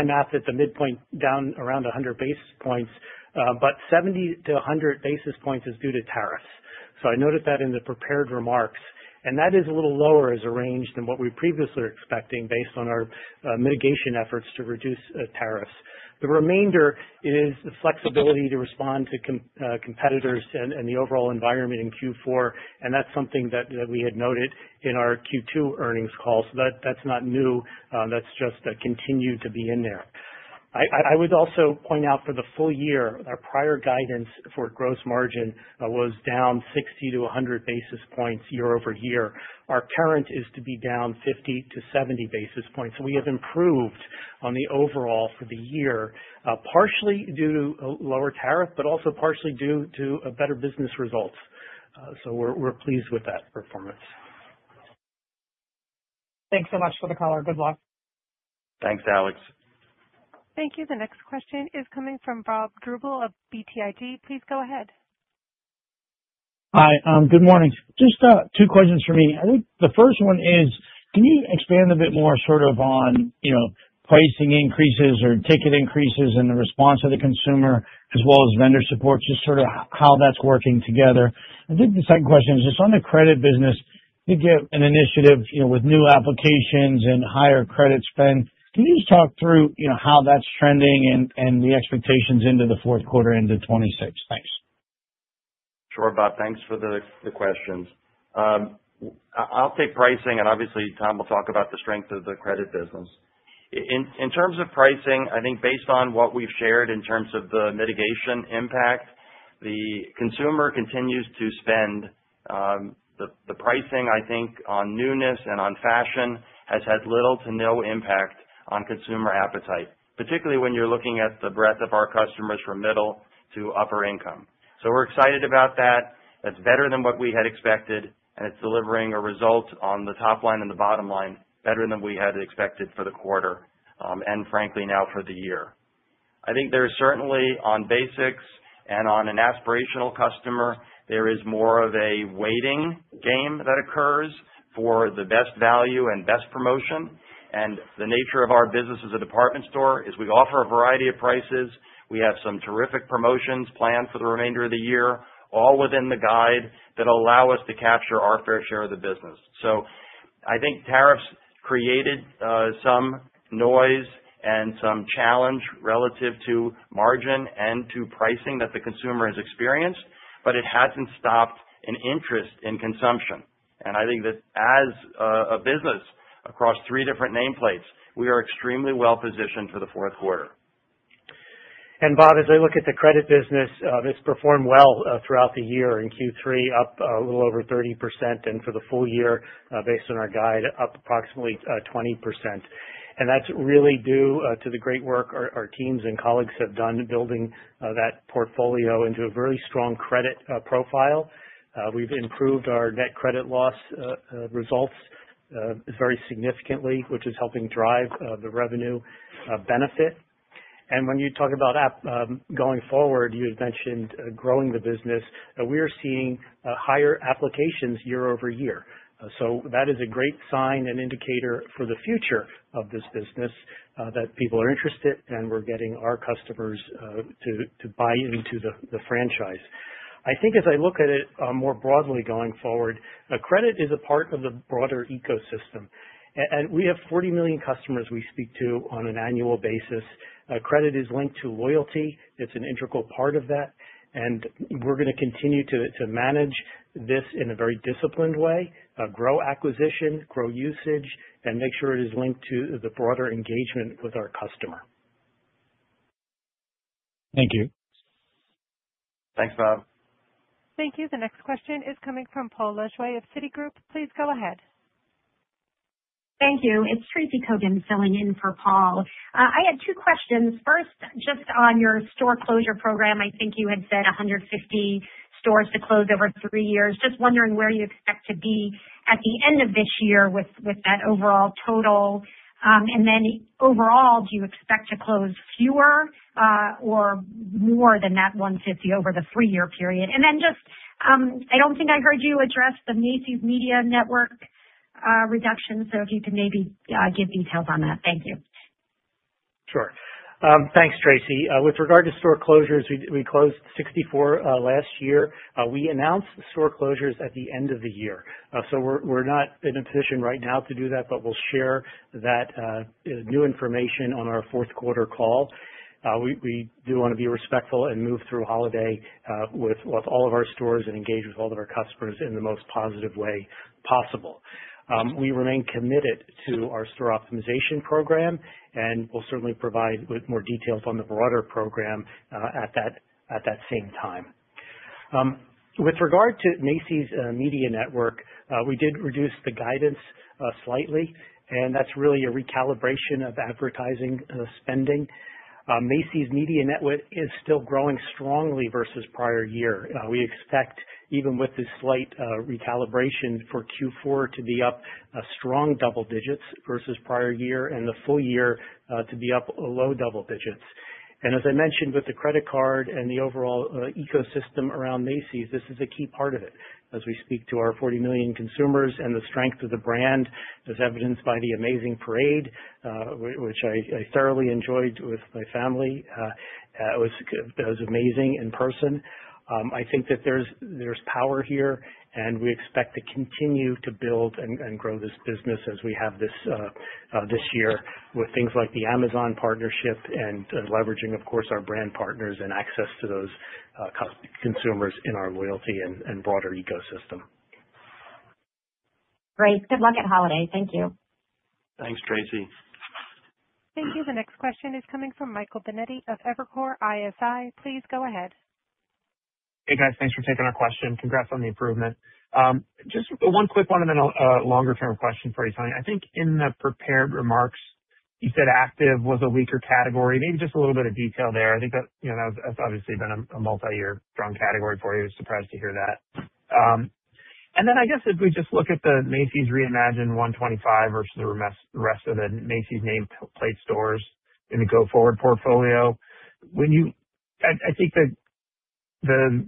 math at the midpoint down around 100 basis points, but 70 to 100 basis points is due to tariffs. So I noted that in the prepared remarks. And that is a little lower as a range than what we previously were expecting based on our mitigation efforts to reduce tariffs. The remainder is the flexibility to respond to competitors and the overall environment in Q4, and that's something that we had noted in our Q2 earnings call. So that's not new. That's just continued to be in there. I would also point out for the full year, our prior guidance for gross margin was down 60 to 100 basis points year over year. Our current is to be down 50-70 basis points. So we have improved on the overall for the year, partially due to lower tariff, but also partially due to better business results. So we're pleased with that performance. Thanks so much for the color. Good luck. Thanks, Alex. Thank you. The next question is coming from Bob Drbul of BTIG. Please go ahead. Hi. Good morning. Just two questions for me. I think the first one is, can you expand a bit more sort of on pricing increases or ticket increases and the response of the consumer as well as vendor support, just sort of how that's working together? I think the second question is just on the credit business. You get an initiative with new applications and higher credit spend. Can you just talk through how that's trending and the expectations into the fourth quarter into 2026? Thanks. Sure, Bob. Thanks for the questions. I'll take pricing, and obviously, Tom will talk about the strength of the credit business. In terms of pricing, I think based on what we've shared in terms of the mitigation impact, the consumer continues to spend. The pricing, I think, on newness and on fashion has had little to no impact on consumer appetite, particularly when you're looking at the breadth of our customers from middle to upper income. So we're excited about that. That's better than what we had expected, and it's delivering a result on the top line and the bottom line better than we had expected for the quarter and, frankly, now for the year. I think there's certainly, on basics and on an aspirational customer, there is more of a waiting game that occurs for the best value and best promotion. And the nature of our business as a department store is we offer a variety of prices. We have some terrific promotions planned for the remainder of the year, all within the guide that allow us to capture our fair share of the business. So I think tariffs created some noise and some challenge relative to margin and to pricing that the consumer has experienced, but it hasn't stopped an interest in consumption. And I think that as a business across three different nameplates, we are extremely well positioned for the fourth quarter. And Bob, as I look at the credit business, it's performed well throughout the year in Q3, up a little over 30%, and for the full year, based on our guide, up approximately 20%. And that's really due to the great work our teams and colleagues have done building that portfolio into a very strong credit profile. We've improved our net credit loss results very significantly, which is helping drive the revenue benefit, and when you talk about going forward, you had mentioned growing the business, we are seeing higher applications year over year, so that is a great sign and indicator for the future of this business that people are interested and we're getting our customers to buy into the franchise. I think as I look at it more broadly going forward, credit is a part of the broader ecosystem, and we have 40 million customers we speak to on an annual basis. Credit is linked to loyalty. It's an integral part of that, and we're going to continue to manage this in a very disciplined way, grow acquisition, grow usage, and make sure it is linked to the broader engagement with our customer. Thank you. Thanks, Bob. Thank you. The next question is coming from Paul Lejuez of Citigroup. Please go ahead. Thank you. It's Tracy Kogan filling in for Paul. I had two questions. First, just on your store closure program, I think you had said 150 stores to close over three years. Just wondering where you expect to be at the end of this year with that overall total. And then overall, do you expect to close fewer or more than that 150 over the three-year period? And then just I don't think I heard you address the Macy's Media Network reduction, so if you could maybe give details on that. Thank you. Sure. Thanks, Tracy. With regard to store closures, we closed 64 last year. We announced store closures at the end of the year. So we're not in a position right now to do that, but we'll share that new information on our fourth quarter call. We do want to be respectful and move through holiday with all of our stores and engage with all of our customers in the most positive way possible. We remain committed to our store optimization program, and we'll certainly provide more details on the broader program at that same time. With regard to Macy's Media Network, we did reduce the guidance slightly, and that's really a recalibration of advertising spending. Macy's Media Network is still growing strongly versus prior year. We expect, even with this slight recalibration for Q4, to be up strong double digits versus prior year and the full year to be up low double digits. And as I mentioned, with the credit card and the overall ecosystem around Macy's, this is a key part of it. As we speak to our 40 million consumers and the strength of the brand, as evidenced by the amazing parade, which I thoroughly enjoyed with my family, it was amazing in person. I think that there's power here, and we expect to continue to build and grow this business as we have this year with things like the Amazon partnership and leveraging, of course, our brand partners and access to those consumers in our loyalty and broader ecosystem. Great. Good luck at holiday. Thank you. Thanks, Tracy. Thank you. The next question is coming from Michael Binetti of Evercore ISI. Please go ahead. Hey, guys. Thanks for taking our question. Congrats on the improvement. Just one quick one and then a longer-term question for you, Tony. I think in the prepared remarks, you said active was a weaker category. Maybe just a little bit of detail there. I think that's obviously been a multi-year strong category for you. Surprised to hear that, and then I guess if we just look at the Macy's Reimagined 125 versus the rest of the Macy's nameplate stores in the go-forward portfolio, I think the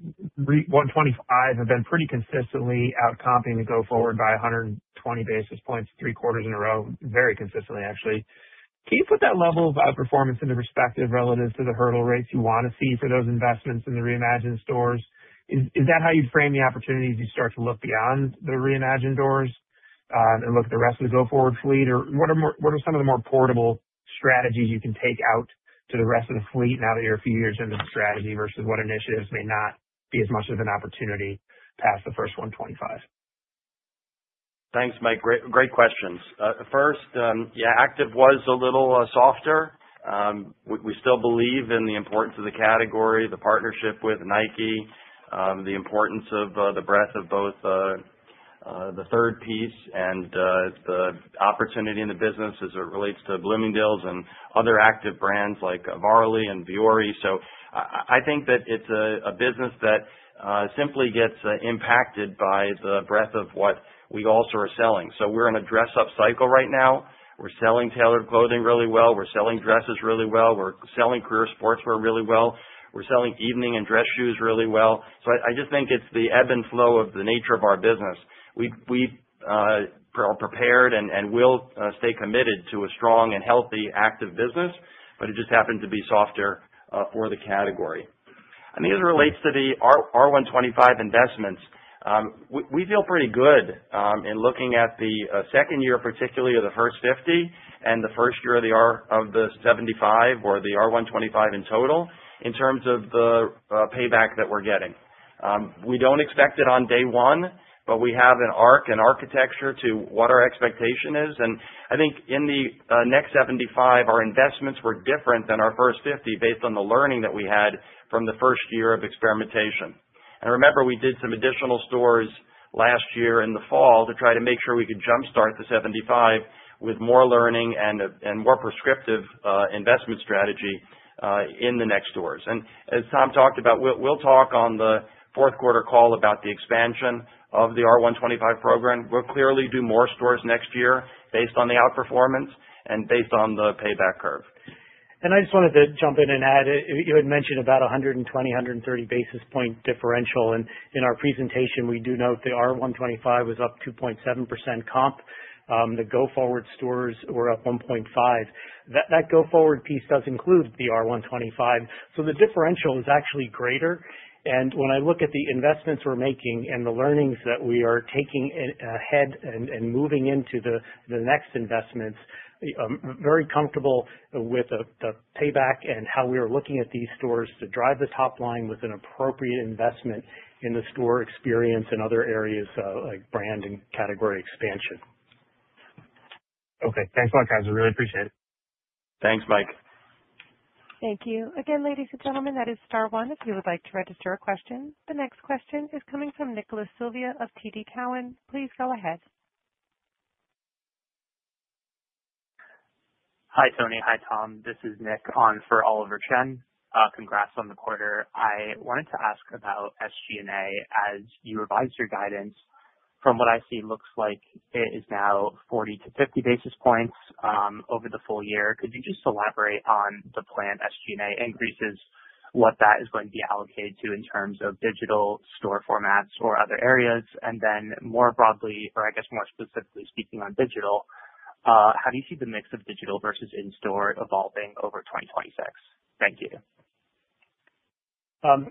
125 have been pretty consistently outcompeting the go-forward by 120 basis points three quarters in a row, very consistently, actually. Can you put that level of performance into perspective relative to the hurdle rates you want to see for those investments in the reimagined stores? Is that how you'd frame the opportunities you start to look beyond the reimagined doors and look at the rest of the Go-Forward fleet? Or what are some of the more portable strategies you can take out to the rest of the fleet now that you're a few years into the strategy versus what initiatives may not be as much of an opportunity past the first 125? Thanks, Mike. Great questions. First, yeah, active was a little softer. We still believe in the importance of the category, the partnership with Nike, the importance of the breadth of both the third piece and the opportunity in the business as it relates to Bloomingdale's and other active brands like Varley and Vuori. So I think that it's a business that simply gets impacted by the breadth of what we also are selling. So we're in a dress-up cycle right now. We're selling tailored clothing really well. We're selling dresses really well. We're selling career sportswear really well. We're selling evening and dress shoes really well. So I just think it's the ebb and flow of the nature of our business. We are prepared and will stay committed to a strong and healthy active business, but it just happened to be softer for the category. And as it relates to the R125 investments, we feel pretty good in looking at the second year, particularly of the first 50 and the first year of the 75 or the R125 in total in terms of the payback that we're getting. We don't expect it on day one, but we have an arc and architecture to what our expectation is. And I think in the next 75, our investments were different than our first 50 based on the learning that we had from the first year of experimentation. Remember, we did some additional stores last year in the fall to try to make sure we could jump-start the 75 with more learning and more prescriptive investment strategy in the next stores. As Tom talked about, we'll talk on the fourth quarter call about the expansion of the R125 program. We'll clearly do more stores next year based on the outperformance and based on the payback curve. I just wanted to jump in and add, you had mentioned about 120-130 basis point differential. In our presentation, we do note the R125 was up 2.7% comp. The go-forward stores were up 1.5. That go-forward piece does include the R125. So the differential is actually greater. When I look at the investments we're making and the learnings that we are taking ahead and moving into the next investments, I'm very comfortable with the payback and how we are looking at these stores to drive the top line with an appropriate investment in the store experience and other areas like brand and category expansion. Okay. Thanks a lot, guys. I really appreciate it. Thanks, Mike. Thank you. Again, ladies and gentlemen, that is star one if you would like to register a question. The next question is coming from Nicholas Sylvia of TD Cowen. Please go ahead. Hi, Tony. Hi, Tom. This is Nick on for Oliver Chen. Congrats on the quarter. I wanted to ask about SG&A as you revise your guidance. From what I see, it looks like it is now 40-50 basis points over the full year. Could you just elaborate on the planned SG&A increases, what that is going to be allocated to in terms of digital store formats or other areas? And then more broadly, or I guess more specifically speaking on digital, how do you see the mix of digital versus in-store evolving over 2026? Thank you.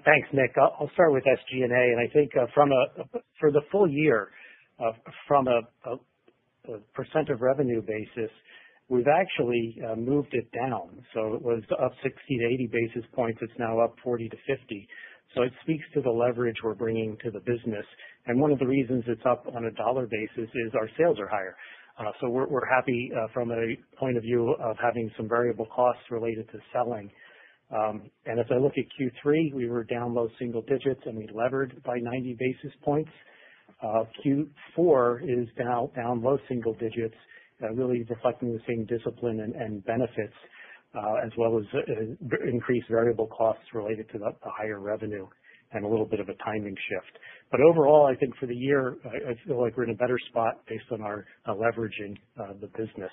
Thanks, Nick. I'll start with SG&A. And I think for the full year, from a percent of revenue basis, we've actually moved it down. So it was up 60-80 basis points. It's now up 40-50. So it speaks to the leverage we're bringing to the business. And one of the reasons it's up on a dollar basis is our sales are higher. So we're happy from a point of view of having some variable costs related to selling. And as I look at Q3, we were down low single digits, and we levered by 90 basis points. Q4 is now down low single digits, really reflecting the same discipline and benefits as well as increased variable costs related to the higher revenue and a little bit of a timing shift. But overall, I think for the year, I feel like we're in a better spot based on our leveraging the business.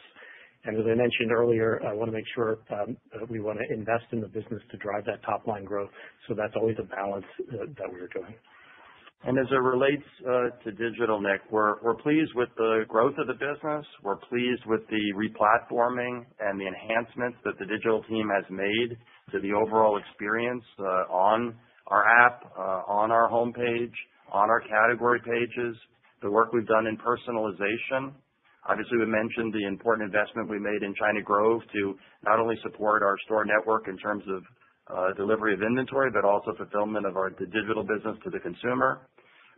And as I mentioned earlier, I want to make sure that we want to invest in the business to drive that top-line growth. So that's always a balance that we're doing. And as it relates to digital, Nick, we're pleased with the growth of the business. We're pleased with the replatforming and the enhancements that the digital team has made to the overall experience on our app, on our homepage, on our category pages, the work we've done in personalization. Obviously, we mentioned the important investment we made in China Grove to not only support our store network in terms of delivery of inventory, but also fulfillment of our digital business to the consumer.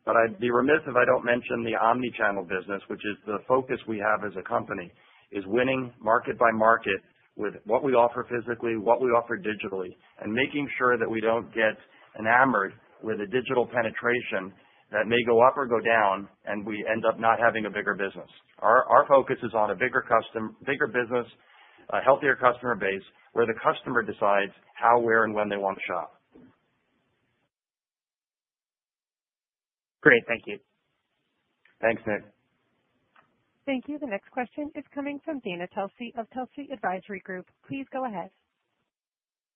But I'd be remiss if I don't mention the omnichannel business, which is the focus we have as a company, is winning market by market with what we offer physically, what we offer digitally, and making sure that we don't get enamored with a digital penetration that may go up or go down and we end up not having a bigger business. Our focus is on a bigger business, a healthier customer base where the customer decides how, where, and when they want to shop. Great. Thank you. Thanks, Nick. Thank you. The next question is coming from Dana Telsey of Telsey Advisory Group. Please go ahead.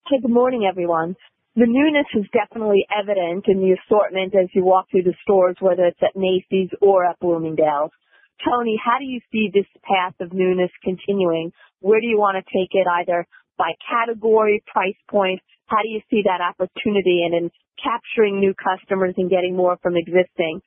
Hi, good morning, everyone. The newness is definitely evident in the assortment as you walk through the stores, whether it's at Macy's or at Bloomingdale's. Tony, how do you see this path of newness continuing? Where do you want to take it, either by category, price point? How do you see that opportunity in capturing new customers and getting more from existing?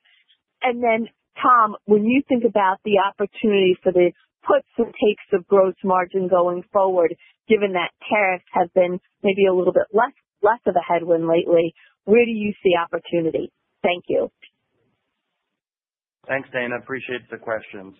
And then, Tom, when you think about the opportunity for the puts and takes of gross margin going forward, given that tariffs have been maybe a little bit less of a headwind lately, where do you see opportunity? Thank you. Thanks, Dana. Appreciate the questions.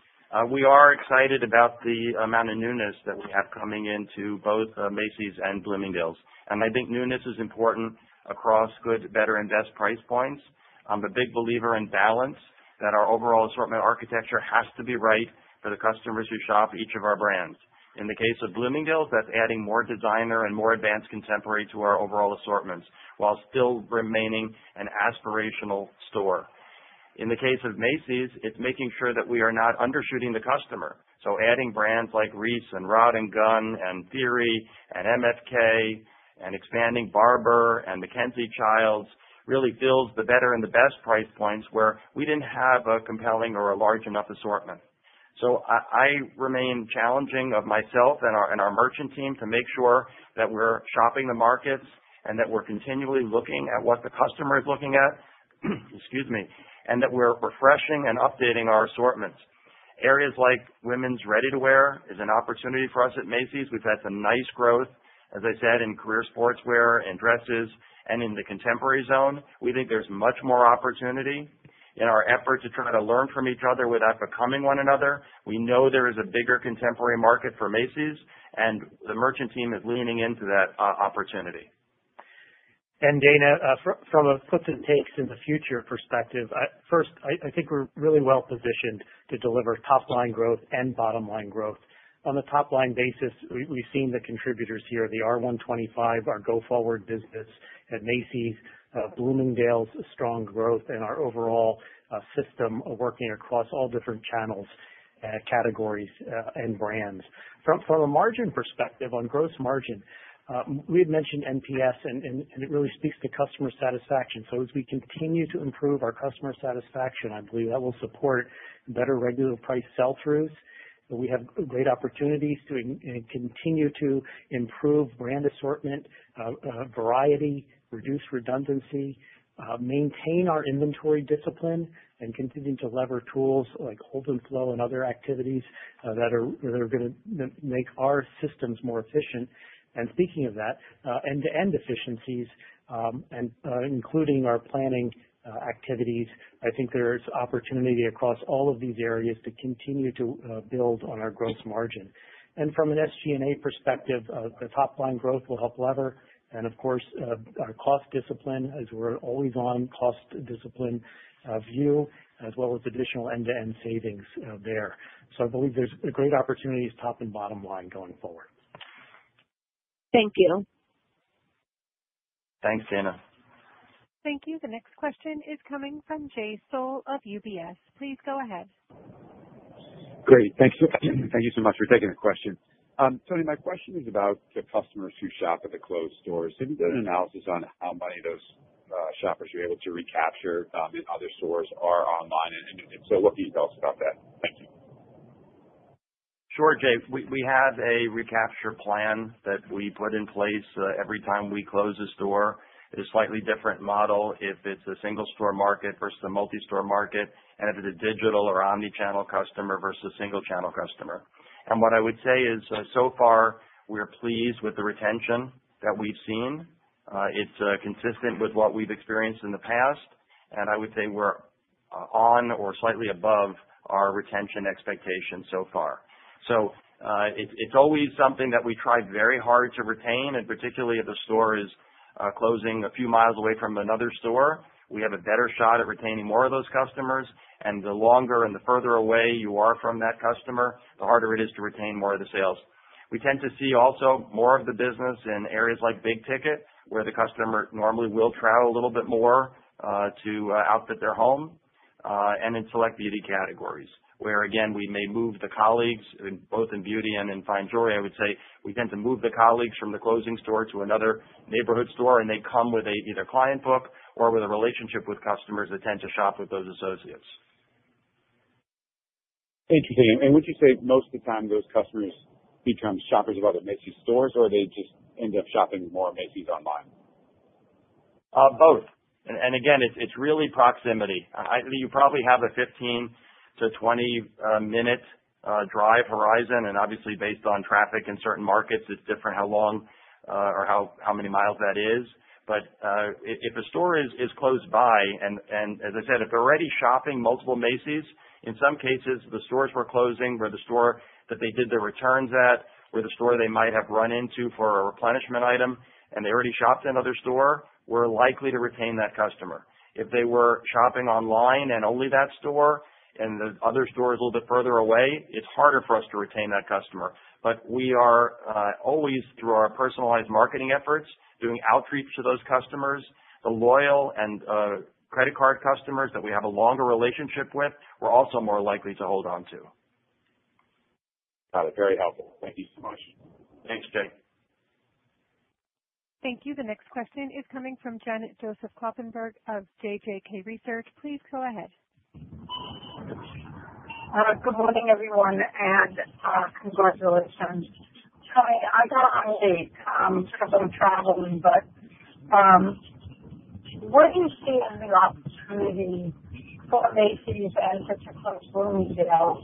We are excited about the amount of newness that we have coming into both Macy's and Bloomingdale's. And I think newness is important across good, better, and best price points. I'm a big believer in balance, that our overall assortment architecture has to be right for the customers who shop each of our brands. In the case of Bloomingdale's, that's adding more designer and more advanced contemporary to our overall assortments while still remaining an aspirational store. In the case of Macy's, it's making sure that we are not undershooting the customer. So adding brands like Reiss and Rodd & Gunn and Theory and MFK and expanding Barbour and MacKenzie-Childs really fills the better and the best price points where we didn't have a compelling or a large enough assortment. So I remain challenging of myself and our merchant team to make sure that we're shopping the markets and that we're continually looking at what the customer is looking at, excuse me, and that we're refreshing and updating our assortments. Areas like women's ready-to-wear is an opportunity for us at Macy's. We've had some nice growth, as I said, in career sportswear and dresses and in the contemporary zone. We think there's much more opportunity in our effort to try to learn from each other without becoming one another. We know there is a bigger contemporary market for Macy's, and the merchant team is leaning into that opportunity. And Dana, from a puts and takes in the future perspective, first, I think we're really well positioned to deliver top-line growth and bottom-line growth. On the top-line basis, we've seen the contributors here, the R125, our go-forward business at Macy's, Bloomingdale's, strong growth, and our overall system of working across all different channels, categories, and brands. From a margin perspective, on gross margin, we had mentioned NPS, and it really speaks to customer satisfaction. So as we continue to improve our customer satisfaction, I believe that will support better regular price sell-throughs. We have great opportunities to continue to improve brand assortment, variety, reduce redundancy, maintain our inventory discipline, and continue to lever tools like hold-and-flow and other activities that are going to make our systems more efficient. And speaking of that, end-to-end efficiencies, including our planning activities, I think there is opportunity across all of these areas to continue to build on our gross margin. And from an SG&A perspective, the top-line growth will help lever. Of course, our cost discipline, as we're always on cost discipline view, as well as additional end-to-end savings there. So I believe there's a great opportunity as top and bottom line going forward. Thank you. Thanks, Dana. Thank you. The next question is coming from Jay Sole of UBS. Please go ahead. Great. Thank you so much for taking the question. Tony, my question is about the customers who shop at the closed stores. Have you done an analysis on how many of those shoppers you're able to recapture in other stores are online? And if so, what do you tell us about that? Thank you. Sure, Jay. We have a recapture plan that we put in place every time we close a store. It's a slightly different model if it's a single-store market versus a multi-store market, and if it's a digital or omnichannel customer versus a single-channel customer, and what I would say is, so far, we're pleased with the retention that we've seen. It's consistent with what we've experienced in the past, and I would say we're on or slightly above our retention expectations so far, so it's always something that we try very hard to retain. And particularly if a store is closing a few miles away from another store, we have a better shot at retaining more of those customers, and the longer and the further away you are from that customer, the harder it is to retain more of the sales. We tend to see also more of the business in areas like big ticket, where the customer normally will travel a little bit more to outfit their home, and in select beauty categories, where, again, we may move the colleagues, both in beauty and in fine jewelry. I would say we tend to move the colleagues from the closing store to another neighborhood store, and they come with either a client book or with a relationship with customers that tend to shop with those associates. Interesting. And would you say most of the time those customers become shoppers of other Macy's stores, or they just end up shopping more Macy's online? Both. And again, it's really proximity. You probably have a 15-20-minute drive horizon. And obviously, based on traffic in certain markets, it's different how long or how many miles that is. But if a store is close by, and as I said, if they're already shopping multiple Macy's, in some cases, the stores we're closing, where the store that they did the returns at, where the store they might have run into for a replenishment item, and they already shopped in another store, we're likely to retain that customer. If they were shopping online and only that store, and the other store is a little bit further away, it's harder for us to retain that customer. But we are always, through our personalized marketing efforts, doing outreach to those customers. The loyal and credit card customers that we have a longer relationship with, we're also more likely to hold on to. Got it. Very helpful. Thank you so much. Thanks, Jay. Thank you. The next question is coming from Janet Joseph Kloppenburg of JJK Research. Please go ahead. Good morning, everyone, and congratulations. Tony, I got on late. I'm traveling, but where do you see the opportunity for Macy's and particularly Bloomingdale's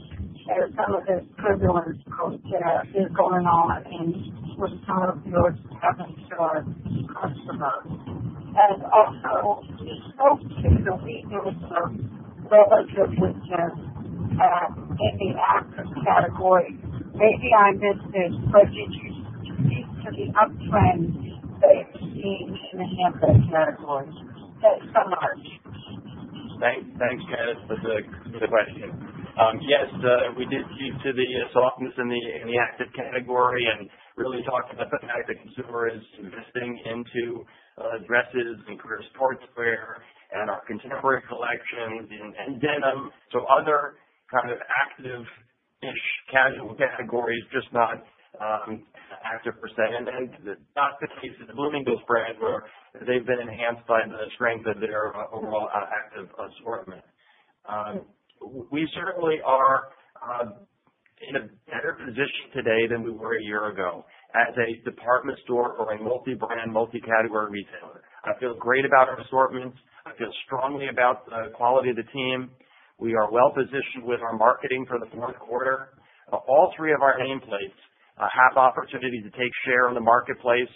category. Maybe I missed it, but did you speak to the uptrend that you've seen in the contemporary category? Thanks so much. Thanks, Janice, for the question. Yes, we did speak to the softness in the active category and really talked about the fact that consumers are investing into dresses and career sportswear and our contemporary collections and denim. So other kind of active-ish casual categories, just not active per se, and that's the case of the Bloomingdale's brand, where they've been enhanced by the strength of their overall active assortment. We certainly are in a better position today than we were a year ago as a department store or a multi-brand, multi-category retailer. I feel great about our assortments. I feel strongly about the quality of the team. We are well positioned with our marketing for the fourth quarter. All three of our nameplates have opportunities to take share in the marketplace.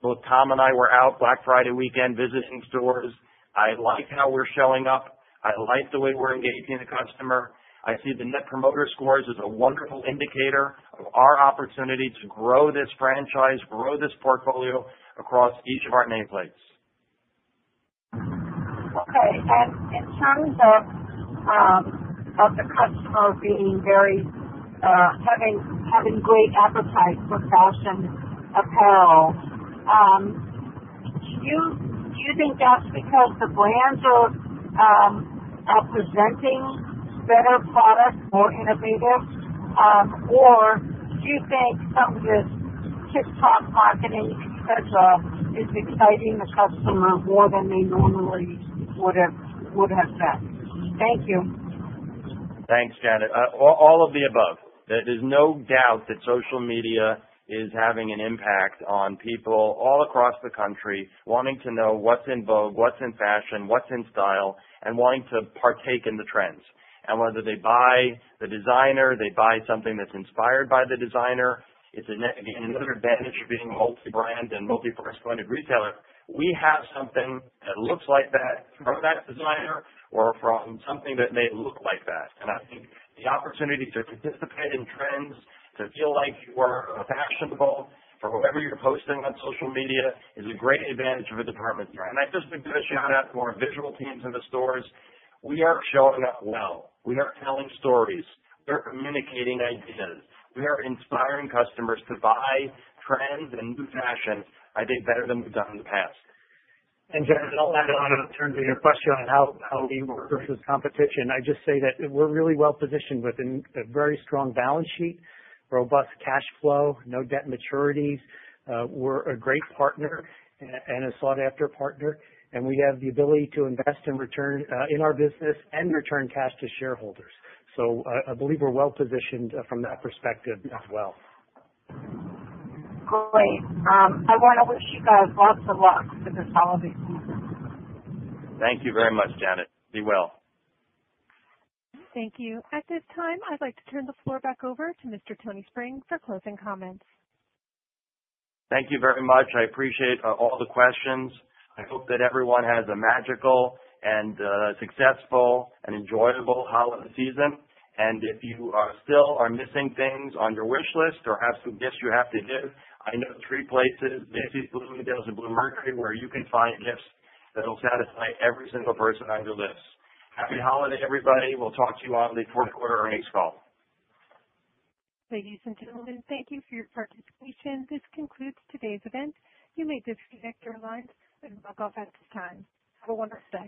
Both Tom and I were out Black Friday weekend visiting stores. I like how we're showing up. I like the way we're engaging the customer. I see the Net Promoter Scores as a wonderful indicator of our opportunity to grow this franchise, grow this portfolio across each of our nameplates. Okay. In terms of the customer having very great appetite for fashion apparel, do you think that's because the brands are presenting better products, more innovative, or do you think some of this TikTok marketing, etc., is exciting the customer more than they normally would have been? Thank you. Thanks, Janice. All of the above. There's no doubt that social media is having an impact on people all across the country wanting to know what's in vogue, what's in fashion, what's in style, and wanting to partake in the trends. Whether they buy the designer, they buy something that's inspired by the designer. It's another advantage of being a multi-brand and multi-price-pointed retailer. We have something that looks like that from that designer or from something that may look like that. I think the opportunity to participate in trends, to feel like you are fashionable for whoever you're posting on social media, is a great advantage of a department brand. And I just want to give a shout-out to our visual teams in the stores. We are showing up well. We are telling stories. We're communicating ideas. We are inspiring customers to buy trends and new fashion, I think, better than we've done in the past. And Janice, I'll add on in return to your question on how we will approach this competition. I just say that we're really well positioned with a very strong balance sheet, robust cash flow, no debt maturities. We're a great partner and a sought-after partner. And we have the ability to invest in our business and return cash to shareholders. So I believe we're well positioned from that perspective as well. Great. I want to wish you guys lots of luck with this holiday season. Thank you very much, Janet. Be well. Thank you. At this time, I'd like to turn the floor back over to Mr. Tony Spring for closing comments. Thank you very much. I appreciate all the questions. I hope that everyone has a magical and successful and enjoyable holiday season, and if you still are missing things on your wish list or have some gifts you have to give, I know three places, Macy's, Bloomingdale's, and Bluemercury, where you can find gifts that'll satisfy every single person on your list. Happy holiday, everybody. We'll talk to you on the fourth quarter earnings call. Ladies and gentlemen, thank you for your participation. This concludes today's event. You may disconnect your lines and log off at this time. Have a wonderful day.